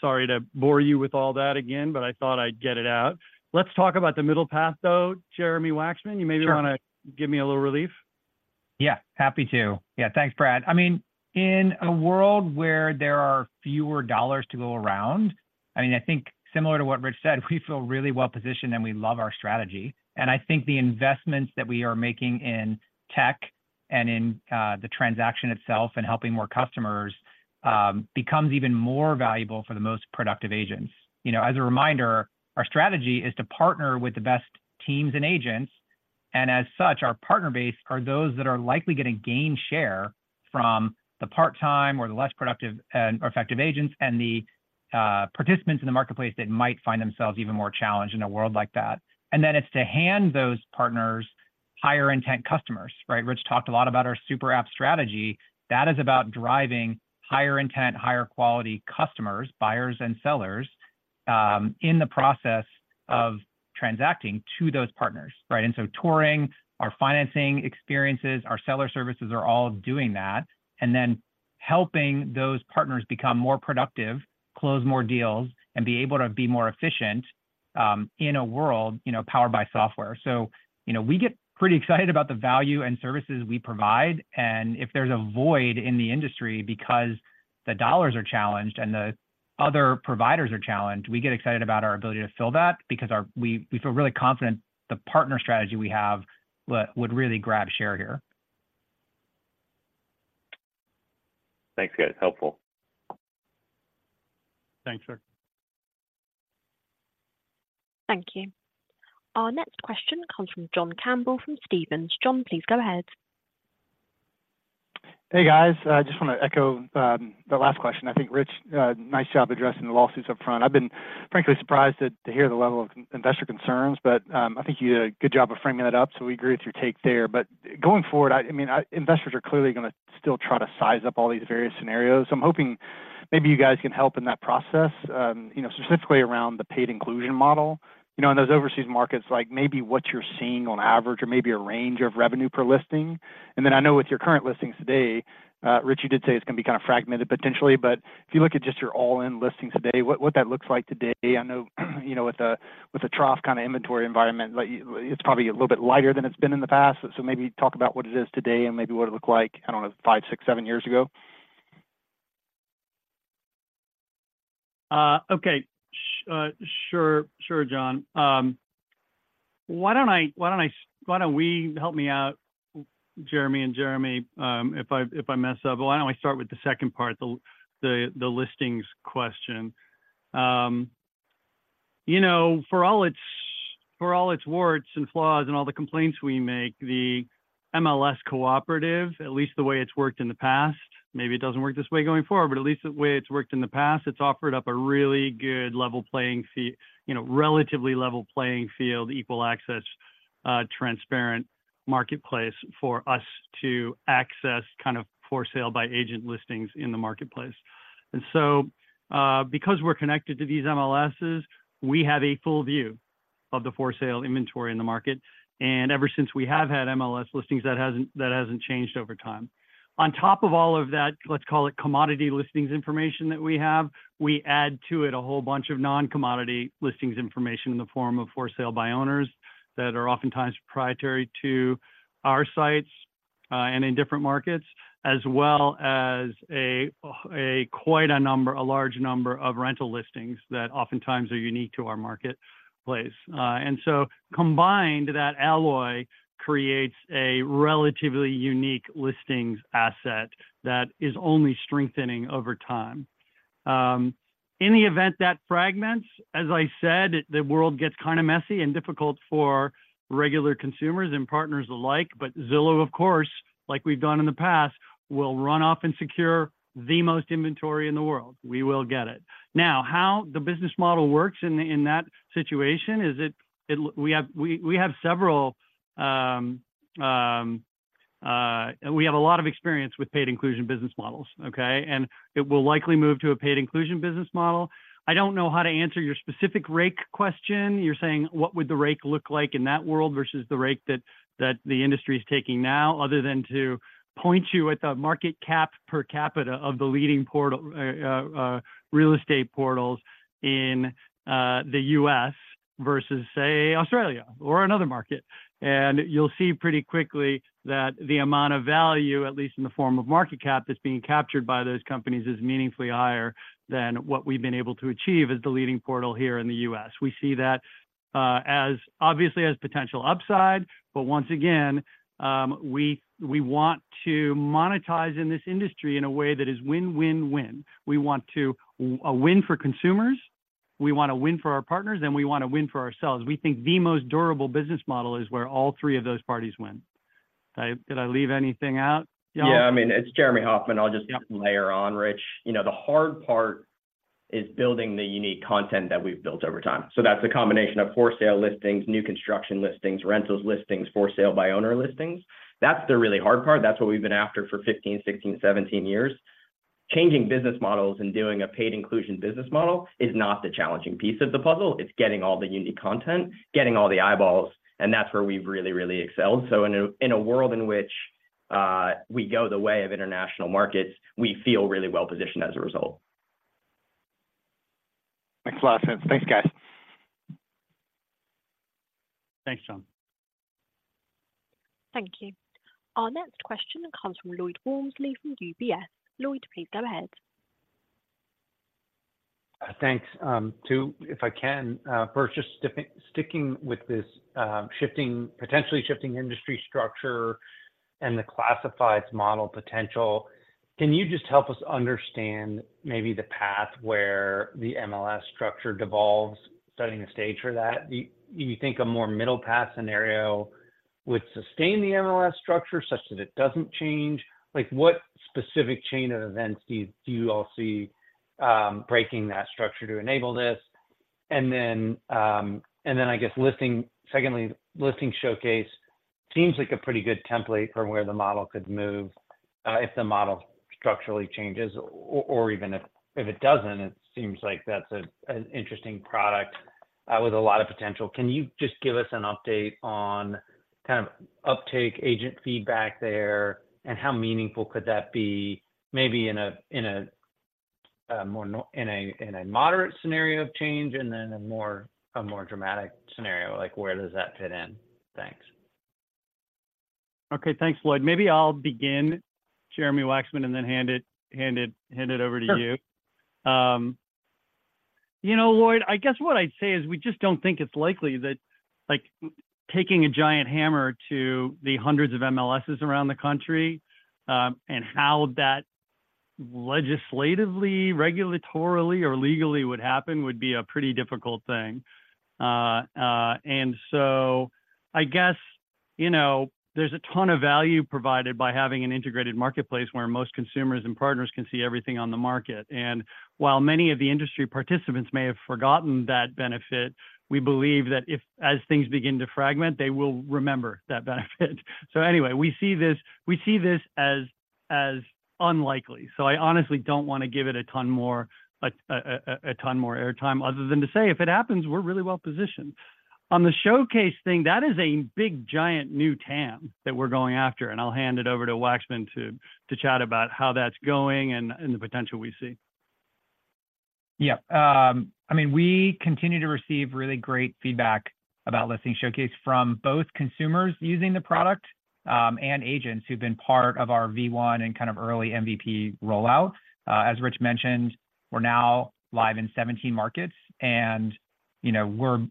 Speaker 3: sorry to bore you with all that again, but I thought I'd get it out. Let's talk about the middle path, though. Jeremy Wacksman-
Speaker 6: Sure.
Speaker 3: You maybe wanna give me a little relief?
Speaker 6: Yeah, happy to. Yeah, thanks, Brad. I mean, in a world where there are fewer dollars to go around, I mean, I think similar to what Rich said, we feel really well-positioned, and we love our strategy. And I think the investments that we are making in tech and in the transaction itself and helping more customers, becomes even more valuable for the most productive agents. You know, as a reminder, our strategy is to partner with the best teams and agents, and as such, our partner base are those that are likely gonna gain share from the part-time or the less productive or effective agents, and the participants in the marketplace that might find themselves even more challenged in a world like that. And then, it's to hand those partners higher-intent customers, right? Rich talked a lot about our super app strategy. That is about driving higher-intent, higher-quality customers, buyers, and sellers in the process of transacting to those partners, right? And so touring, our financing experiences, our seller services are all doing that, and then helping those partners become more productive, close more deals, and be able to be more efficient in a world, you know, powered by software. So, you know, we get pretty excited about the value and services we provide, and if there's a void in the industry because the dollars are challenged and the other providers are challenged, we get excited about our ability to fill that because we feel really confident the partner strategy we have would really grab share here.
Speaker 5: Thanks, guys. Helpful.
Speaker 3: Thanks, sir.
Speaker 1: Thank you. Our next question comes from John Campbell, from Stephens. John, please go ahead.
Speaker 7: Hey, guys. I just want to echo the last question. I think, Rich, nice job addressing the lawsuits up front. I've been frankly surprised to hear the level of investor concerns, but I think you did a good job of framing that up, so we agree with your take there. But going forward, I mean, investors are clearly gonna still try to size up all these various scenarios. So I'm hoping maybe you guys can help in that process, you know, specifically around the paid inclusion model. You know, in those overseas markets, like, maybe what you're seeing on average or maybe a range of revenue per listing. And then I know with your current listings today, Rich, you did say it's gonna be kind of fragmented potentially, but if you look at just your all-in listings today, what that looks like today. I know, you know, with the trough kind of inventory environment, like, it's probably a little bit lighter than it's been in the past, so maybe talk about what it is today and maybe what it looked like, I don't know, five, six, seven years ago.
Speaker 3: Okay. Sure, sure, John. Why don't we help me out, Jeremy and Jeremy, if I mess up. But why don't I start with the second part, the listings question? You know, for all its warts and flaws and all the complaints we make, the MLS cooperative, at least the way it's worked in the past, maybe it doesn't work this way going forward, but at least the way it's worked in the past, it's offered up a really good level playing field, you know, relatively level playing field, equal access, transparent marketplace for us to access kind of for sale by agent listings in the marketplace. And so, because we're connected to these MLSs, we have a full view of the for-sale inventory in the market, and ever since we have had MLS listings, that hasn't changed over time. On top of all of that, let's call it commodity listings information that we have, we add to it a whole bunch of non-commodity listings information in the form of for sale by owners, that are oftentimes proprietary to our sites, and in different markets, as well as a large number of rental listings that oftentimes are unique to our marketplace. And so combined, that alloy creates a relatively unique listings asset that is only strengthening over time. In the event that fragments, as I said, the world gets kind of messy and difficult for regular consumers and partners alike, but Zillow, of course, like we've done in the past, will run off and secure the most inventory in the world. We will get it. Now, how the business model works in that situation is we have a lot of experience with paid inclusion business models, okay? It will likely move to a paid inclusion business model. I don't know how to answer your specific rake question. You're saying, what would the rake look like in that world versus the rake that the industry is taking now, other than to point you at the market cap per capita of the leading portal, real estate portals in the U.S. versus, say, Australia or another market. And you'll see pretty quickly that the amount of value, at least in the form of market cap, that's being captured by those companies, is meaningfully higher than what we've been able to achieve as the leading portal here in the U.S. We see that as obviously as potential upside, but once again, we want to monetize in this industry in a way that is win, win, win. We want a win for consumers, we want to win for our partners, and we want to win for ourselves. We think the most durable business model is where all three of those parties win. Did I, did I leave anything out?
Speaker 4: Yeah, I mean, it's Jeremy Hofmann. I'll just layer on, Rich. You know, the hard part is building the unique content that we've built over time. So that's a combination of for sale listings, new construction listings, rentals listings, for sale by owner listings. That's the really hard part. That's what we've been after for 15, 16, 17 years. Changing business models and doing a paid inclusion business model is not the challenging piece of the puzzle. It's getting all the unique content, getting all the eyeballs, and that's where we've really, really excelled. So in a world in which we go the way of international markets, we feel really well positioned as a result.
Speaker 7: Makes a lot of sense. Thanks, guys.
Speaker 3: Thanks, John.
Speaker 1: Thank you. Our next question comes from Lloyd Walmsley, from UBS. Lloyd, please go ahead.
Speaker 8: Thanks, too. If I can first, just sticking with this shifting, potentially shifting industry structure and the classifieds model potential, can you just help us understand maybe the path where the MLS structure devolves, setting the stage for that? Do you think a more middle path scenario would sustain the MLS structure such that it doesn't change? Like, what specific chain of events do you all see breaking that structure to enable this? And then, I guess secondly, Listing Showcase seems like a pretty good template for where the model could move, if the model structurally changes, or even if it doesn't, it seems like that's an interesting product with a lot of potential. Can you just give us an update on kind of uptake, agent feedback there, and how meaningful could that be? Maybe in a more moderate scenario of change, and then a more dramatic scenario, like, where does that fit in? Thanks.
Speaker 3: Okay, thanks, Lloyd. Maybe I'll begin, Jeremy Wacksman, and then hand it over to you.
Speaker 4: Sure.
Speaker 3: You know, Lloyd, I guess what I'd say is we just don't think it's likely that, like, taking a giant hammer to the hundreds of MLSs around the country and how that legislatively, regulatorily, or legally would happen would be a pretty difficult thing. And so I guess, you know, there's a ton of value provided by having an integrated marketplace where most consumers and partners can see everything on the market. And while many of the industry participants may have forgotten that benefit, we believe that as things begin to fragment, they will remember that benefit. So anyway, we see this, we see this as unlikely, so I honestly don't want to give it a ton more airtime other than to say, if it happens, we're really well positioned. On the Showcase thing, that is a big, giant new TAM that we're going after, and I'll hand it over to Wacksman to chat about how that's going and the potential we see.
Speaker 6: Yeah. I mean, we continue to receive really great feedback about Listing Showcase from both consumers using the product, and agents who've been part of our V1 and kind of early MVP rollout. As Rich mentioned, we're now live in 17 markets, and, you know, we're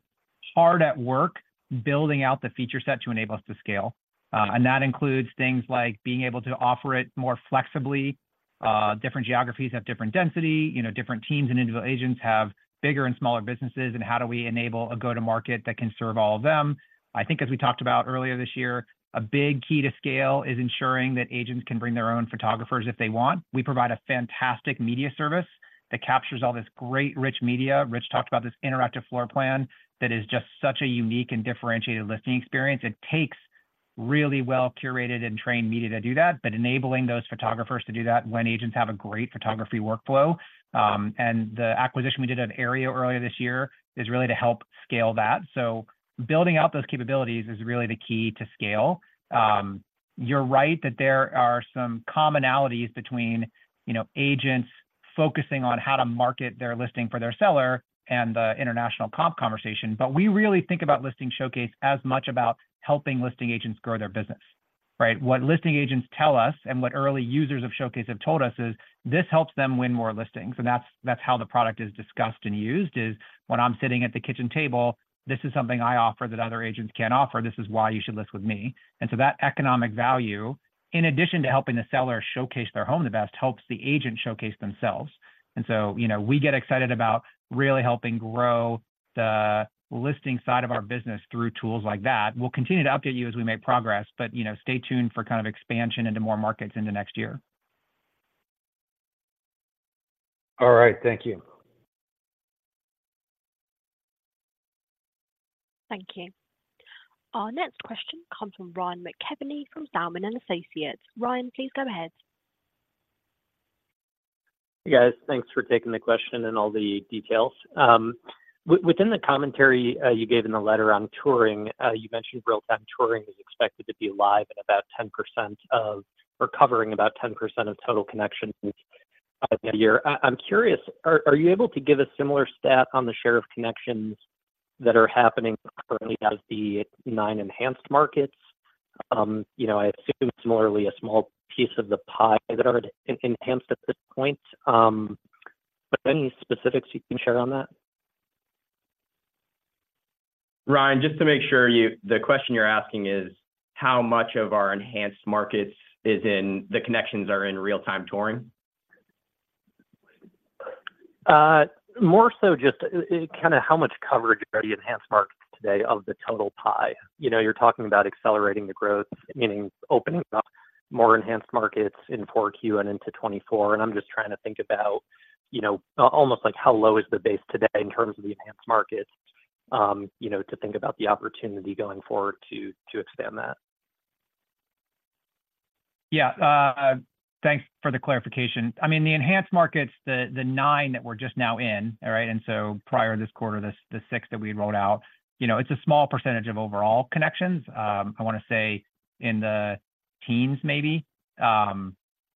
Speaker 6: hard at work building out the feature set to enable us to scale. And that includes things like being able to offer it more flexibly. Different geographies have different density. You know, different teams and individual agents have bigger and smaller businesses, and how do we enable a go-to-market that can serve all of them? I think, as we talked about earlier this year, a big key to scale is ensuring that agents can bring their own photographers if they want. We provide a fantastic media service that captures all this great, rich media. Rich talked about this interactive floor plan that is just such a unique and differentiated listing experience. It takes really well-curated and trained media to do that, but enabling those photographers to do that when agents have a great photography workflow. And the acquisition we did at Aryeo earlier this year is really to help scale that. So building out those capabilities is really the key to scale. You're right that there are some commonalities between, you know, agents focusing on how to market their listing for their seller and the international comp conversation, but we really think about Listing Showcase as much about helping listing agents grow their business, right? What listing agents tell us and what early users of Showcase have told us is this helps them win more listings, and that's, that's how the product is discussed and used, is: "When I'm sitting at the kitchen table, this is something I offer that other agents can't offer. This is why you should list with me." And so that economic value, in addition to helping the seller showcase their home the best, helps the agent showcase themselves. And so, you know, we get excited about really helping grow the listing side of our business through tools like that. We'll continue to update you as we make progress, but, you know, stay tuned for kind of expansion into more markets into next year.
Speaker 8: All right. Thank you.
Speaker 1: Thank you. Our next question comes from Ryan McKeveny, from Zelman & Associates. Ryan, please go ahead.
Speaker 9: Hey, guys. Thanks for taking the question and all the details. Within the commentary, you gave in the letter on touring, you mentioned real-time touring is expected to be live in about 10% of or covering about 10% of total connections by the end of the year. I'm curious, are you able to give a similar stat on the share of connections that are happening currently as the nine enhanced markets? You know, I assume it's more really a small piece of the pie that are enhanced at this point, but any specifics you can share on that?
Speaker 6: Ryan, just to make sure you, the question you're asking is how much of our enhanced markets is in the connections are in real-time touring?
Speaker 9: More so just kind of how much coverage are the enhanced markets today of the total pie? You know, you're talking about accelerating the growth, meaning opening up more enhanced markets in 4Q and into 2024. And I'm just trying to think about, you know, almost like how low is the base today in terms of the enhanced markets, you know, to think about the opportunity going forward to extend that.
Speaker 6: Yeah, thanks for the clarification. I mean, the enhanced markets, the nine that we're just now in, all right? And so prior this quarter, the six that we rolled out, you know, it's a small percentage of overall connections. I want to say in the teens, maybe.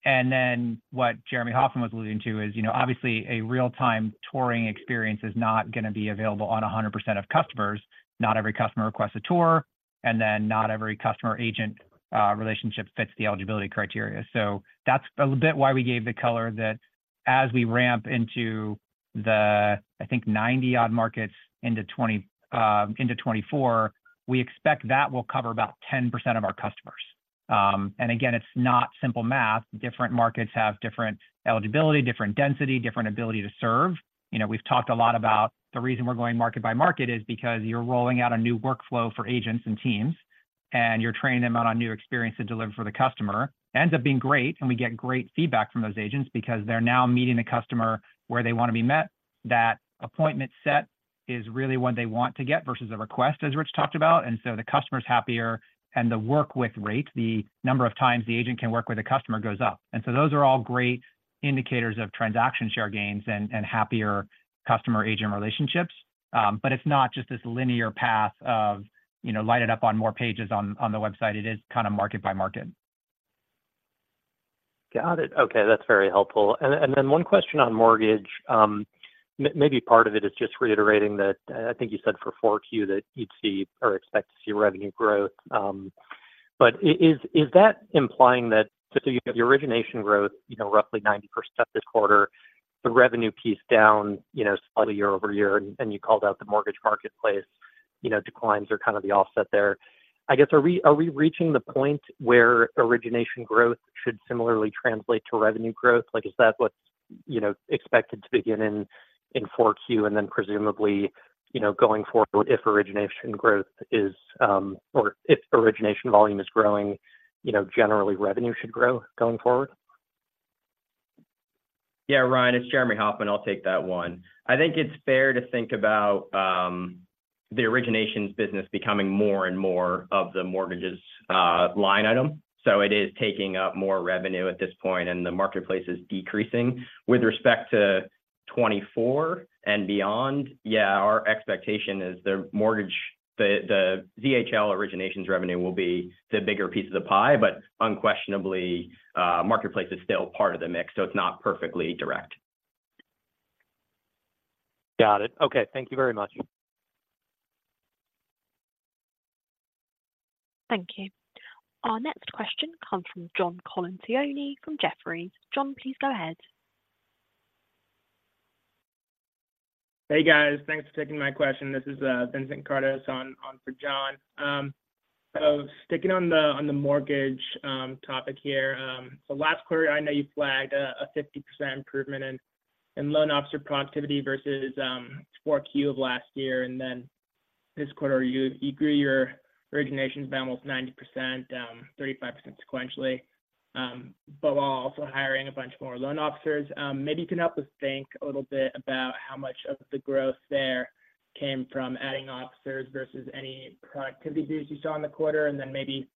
Speaker 6: And then what Jeremy Hofmann was alluding to is, you know, obviously, a real-time touring experience is not going to be available on 100% of customers. Not every customer requests a tour, and then not every customer-agent relationship fits the eligibility criteria. So that's a bit why we gave the color that as we ramp into the, I think, 90-odd markets into 2024, we expect that will cover about 10% of our customers. And again, it's not simple math. Different markets have different eligibility, different density, different ability to serve. You know, we've talked a lot about the reason we're going market by market is because you're rolling out a new workflow for agents and teams, and you're training them on a new experience to deliver for the customer. Ends up being great, and we get great feedback from those agents because they're now meeting the customer where they want to be met. That appointment set is really what they want to get versus a request, as Rich talked about. And so the customer's happier, and the work with rate, the number of times the agent can work with a customer, goes up. And so those are all great indicators of transaction share gains and, and happier customer-agent relationships. But it's not just this linear path of, you know, light it up on more pages on, on the website. It is kind of market by market.
Speaker 9: Got it. Okay, that's very helpful. And then one question on mortgage. Maybe part of it is just reiterating that, I think you said for Q4 that you'd see or expect to see revenue growth. But is that implying that, just so you have the origination growth, you know, roughly 90% this quarter, the revenue piece down, you know, slightly year-over-year, and you called out the mortgage marketplace? You know, declines are kind of the offset there. I guess, are we reaching the point where origination growth should similarly translate to revenue growth? Like, is that what's, you know, expected to begin in Q4, and then presumably, you know, going forward, if origination growth is, or if origination volume is growing, you know, generally revenue should grow going forward?
Speaker 4: Yeah, Ryan, it's Jeremy Hofmann. I'll take that one. I think it's fair to think about the originations business becoming more and more of the mortgages line item. So it is taking up more revenue at this point, and the marketplace is decreasing. With respect to 2024 and beyond, yeah, our expectation is the mortgage, the, the VHL originations revenue will be the bigger piece of the pie, but unquestionably marketplace is still part of the mix, so it's not perfectly direct.
Speaker 9: Got it. Okay. Thank you very much.
Speaker 1: Thank you. Our next question comes from John Colantuoni from Jefferies. John, please go ahead.
Speaker 10: Hey, guys. Thanks for taking my question. This is Vincent Kardos on for John. So sticking on the mortgage topic here, so last quarter, I know you flagged a 50% improvement in loan officer productivity versus Q4 of last year. And then this quarter, you grew your originations by almost 90%, 35% sequentially, but while also hiring a bunch more loan officers. Maybe you can help us think a little bit about how much of the growth there came from adding officers versus any productivity gains you saw in the quarter, and then maybe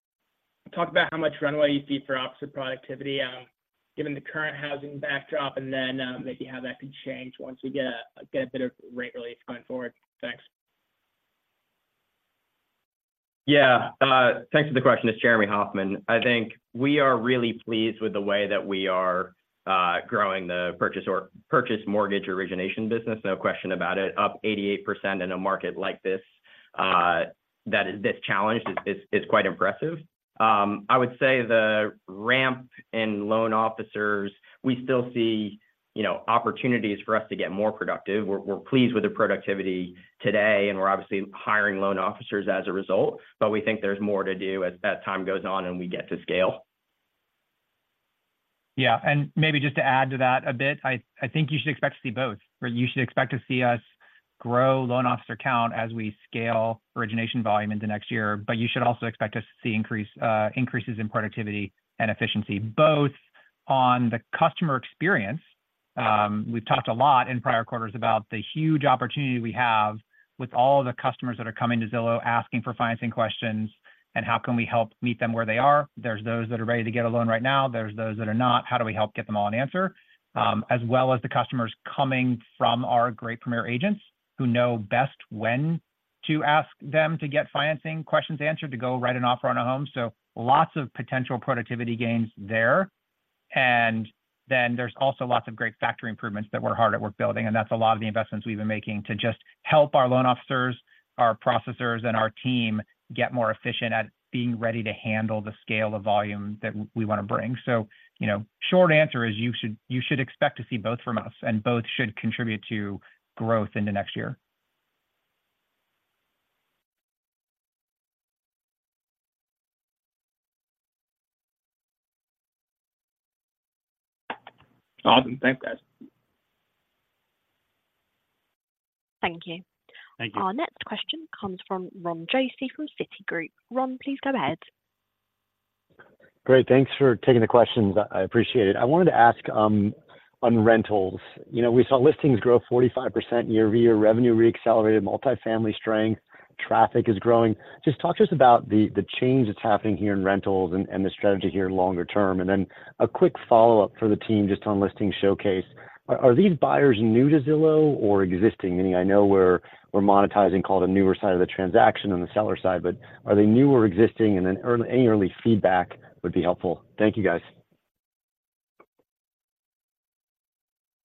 Speaker 10: talk about how much runway you see for officer productivity, given the current housing backdrop, and then maybe how that could change once we get a bit of rate relief going forward. Thanks.
Speaker 4: Yeah. Thanks for the question. It's Jeremy Hofmann. I think we are really pleased with the way that we are growing the purchase or purchase mortgage origination business. No question about it. Up 88% in a market like this, that is this challenged is, is, is quite impressive. I would say the ramp in loan officers, we still see, you know, opportunities for us to get more productive. We're, we're pleased with the productivity today, and we're obviously hiring loan officers as a result, but we think there's more to do as that time goes on, and we get to scale.
Speaker 6: Yeah, and maybe just to add to that a bit, I think you should expect to see both. Or you should expect to see us grow loan officer count as we scale origination volume into next year. But you should also expect to see increase, increases in productivity and efficiency, both on the customer experience. We've talked a lot in prior quarters about the huge opportunity we have with all the customers that are coming to Zillow, asking for financing questions, and how can we help meet them where they are? There's those that are ready to get a loan right now. There's those that are not. How do we help get them all an answer? As well as the customers coming from our great Premier agents, who know best when to ask them to get financing questions answered, to go write an offer on a home. So lots of potential productivity gains there. And then there's also lots of great factory improvements that we're hard at work building, and that's a lot of the investments we've been making to just help our loan officers, our processors, and our team get more efficient at being ready to handle the scale of volume that we wanna bring. So, you know, short answer is you should, you should expect to see both from us, and both should contribute to growth into next year.
Speaker 10: Awesome. Thanks, guys.
Speaker 1: Thank you.
Speaker 10: Thank you.
Speaker 1: Our next question comes from Ron Josey from Citigroup. Ron, please go ahead.
Speaker 11: Great. Thanks for taking the questions. I appreciate it. I wanted to ask on rentals. You know, we saw listings grow 45% year-over-year, revenue re-accelerated, multifamily strength, traffic is growing. Just talk to us about the change that's happening here in rentals and the strategy here longer term. And then a quick follow-up for the team just on Listing Showcase. Are these buyers new to Zillow or existing? Meaning, I know we're monetizing called a newer side of the transaction on the seller side, but are they new or existing? And then any early feedback would be helpful. Thank you, guys.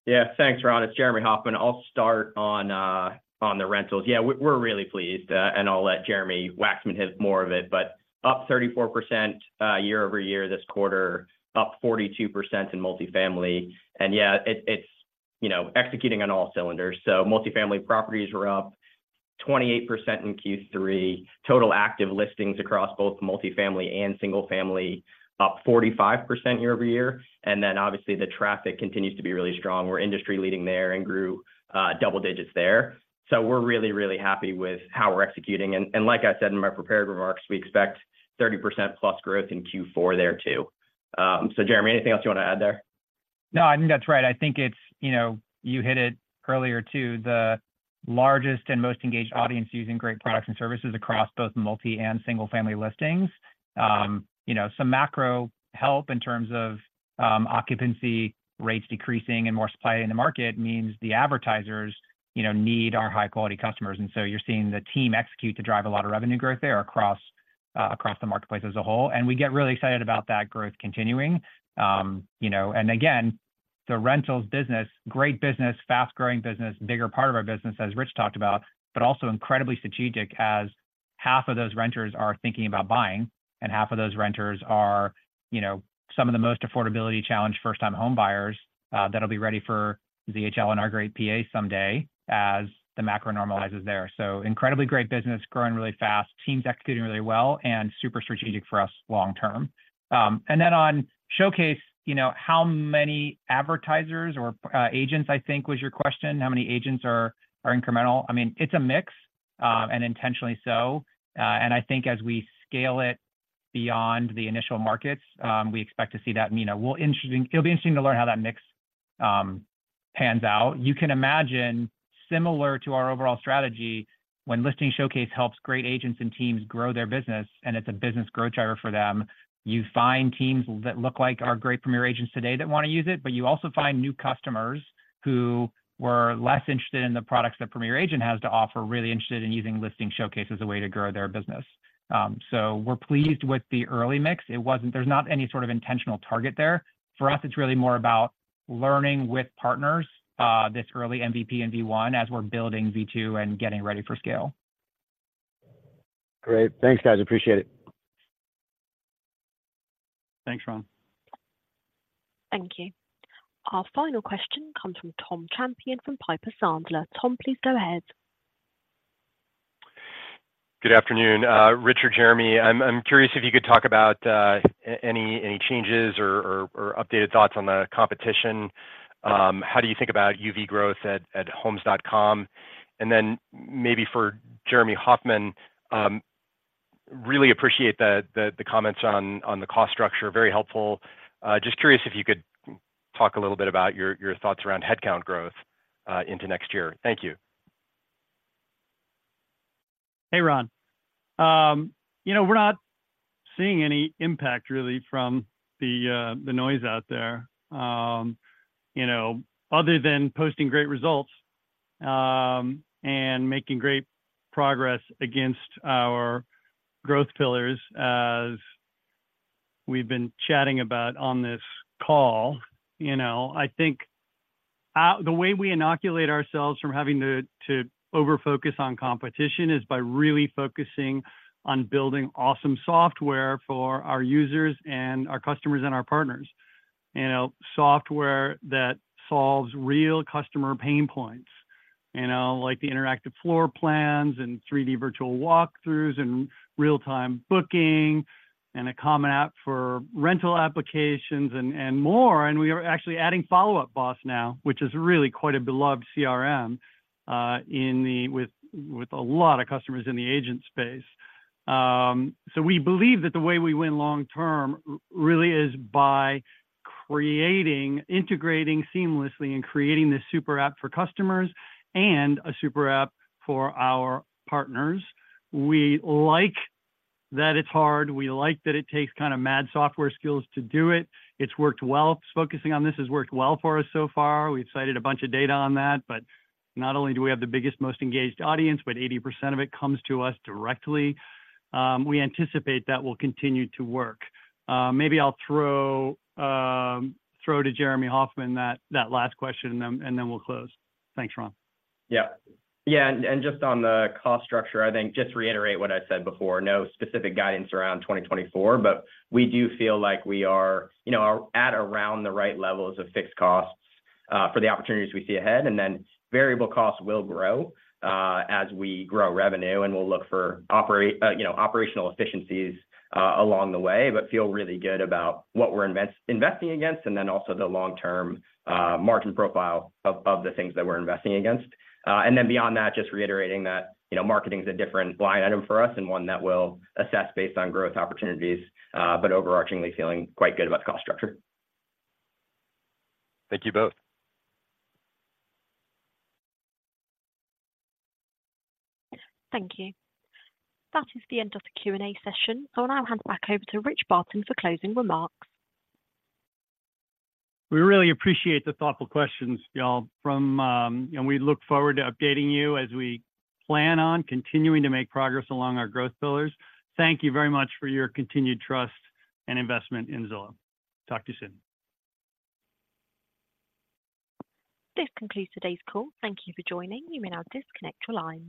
Speaker 4: Yeah. Thanks, Ron. It's Jeremy Hofmann. I'll start on the rentals. Yeah, we're really pleased, and I'll let Jeremy Wacksman hit more of it. But up 34% year-over-year this quarter, up 42% in multifamily, and yeah, it's, you know, executing on all cylinders. So multifamily properties were up 28% in Q3. Total active listings across both multifamily and single family, up 45% year-over-year. And then, obviously, the traffic continues to be really strong. We're industry-leading there and grew double digits there. So we're really, really happy with how we're executing, and like I said in my prepared remarks, we expect 30%+ growth in Q4 there, too. So Jeremy, anything else you want to add there?
Speaker 6: No, I think that's right. I think it's, you know, you hit it earlier, too, the largest and most engaged audience using great products and services across both multi and single-family listings. You know, some macro help in terms of, occupancy rates decreasing and more supply in the market means the advertisers, you know, need our high-quality customers. And so you're seeing the team execute to drive a lot of revenue growth there across, across the marketplace as a whole, and we get really excited about that growth continuing. You know, and again, the rentals business, great business, fast-growing business, bigger part of our business, as Rich talked about, but also incredibly strategic as. Half of those renters are thinking about buying, and half of those renters are, you know, some of the most affordability challenged first-time homebuyers that'll be ready for VHL in our great PA someday as the macro normalizes there. So incredibly great business, growing really fast, team's executing really well and super strategic for us long term. And then on Showcase, you know, how many advertisers or, agents, I think was your question, how many agents are incremental? I mean, it's a mix, and intentionally so. And I think as we scale it beyond the initial markets, we expect to see that, you know, it'll be interesting to learn how that mix pans out. You can imagine, similar to our overall strategy, when Listing Showcase helps great agents and teams grow their business, and it's a business growth driver for them, you find teams that look like our great Premier agents today that want to use it. But you also find new customers who were less interested in the products that Premier Agent has to offer, really interested in using Listing Showcase as a way to grow their business. So we're pleased with the early mix. It wasn't. There's not any sort of intentional target there. For us, it's really more about learning with partners, this early MVP and V1, as we're building V2 and getting ready for scale.
Speaker 11: Great. Thanks, guys. Appreciate it.
Speaker 3: Thanks, Ron.
Speaker 1: Thank you. Our final question comes from Tom Champion, from Piper Sandler. Tom, please go ahead.
Speaker 12: Good afternoon, Rich or Jeremy, I'm curious if you could talk about any changes or updated thoughts on the competition. How do you think about UV growth at Homes.com? And then maybe for Jeremy Hofmann, really appreciate the comments on the cost structure. Very helpful. Just curious if you could talk a little bit about your thoughts around headcount growth into next year. Thank you.
Speaker 3: Hey, Ron. You know, we're not seeing any impact really from the noise out there. You know, other than posting great results, and making great progress against our growth pillars, as we've been chatting about on this call, you know. I think the way we inoculate ourselves from having to over-focus on competition is by really focusing on building awesome software for our users and our customers and our partners. You know, software that solves real customer pain points, you know, like the interactive floor plans, and 3D virtual walkthroughs, and real-time booking, and a common app for rental applications and more. And we are actually adding Follow Up Boss now, which is really quite a beloved CRM with a lot of customers in the agent space. So we believe that the way we win long term really is by creating, integrating seamlessly, and creating this super app for customers and a super app for our partners. We like that it's hard. We like that it takes kind of mad software skills to do it. It's worked well. Focusing on this has worked well for us so far. We've cited a bunch of data on that, but not only do we have the biggest, most engaged audience, but 80% of it comes to us directly. We anticipate that will continue to work. Maybe I'll throw to Jeremy Hofmann that last question, and then we'll close. Thanks, Ron.
Speaker 4: Yeah. Yeah, and just on the cost structure, I think just to reiterate what I said before, no specific guidance around 2024, but we do feel like we are, you know, at around the right levels of fixed costs for the opportunities we see ahead. And then variable costs will grow as we grow revenue, and we'll look for, you know, operational efficiencies along the way, but feel really good about what we're investing against, and then also the long-term margin profile of the things that we're investing against. And then beyond that, just reiterating that, you know, marketing is a different line item for us and one that we'll assess based on growth opportunities, but overarchingly feeling quite good about the cost structure.
Speaker 12: Thank you both.
Speaker 1: Thank you. That is the end of the Q&A session. I will now hand back over to Rich Barton for closing remarks.
Speaker 3: We really appreciate the thoughtful questions from, and we look forward to updating you as we plan on continuing to make progress along our growth pillars. Thank you very much for your continued trust and investment in Zillow. Talk to you soon.
Speaker 1: This concludes today's call. Thank you for joining. You may now disconnect your lines.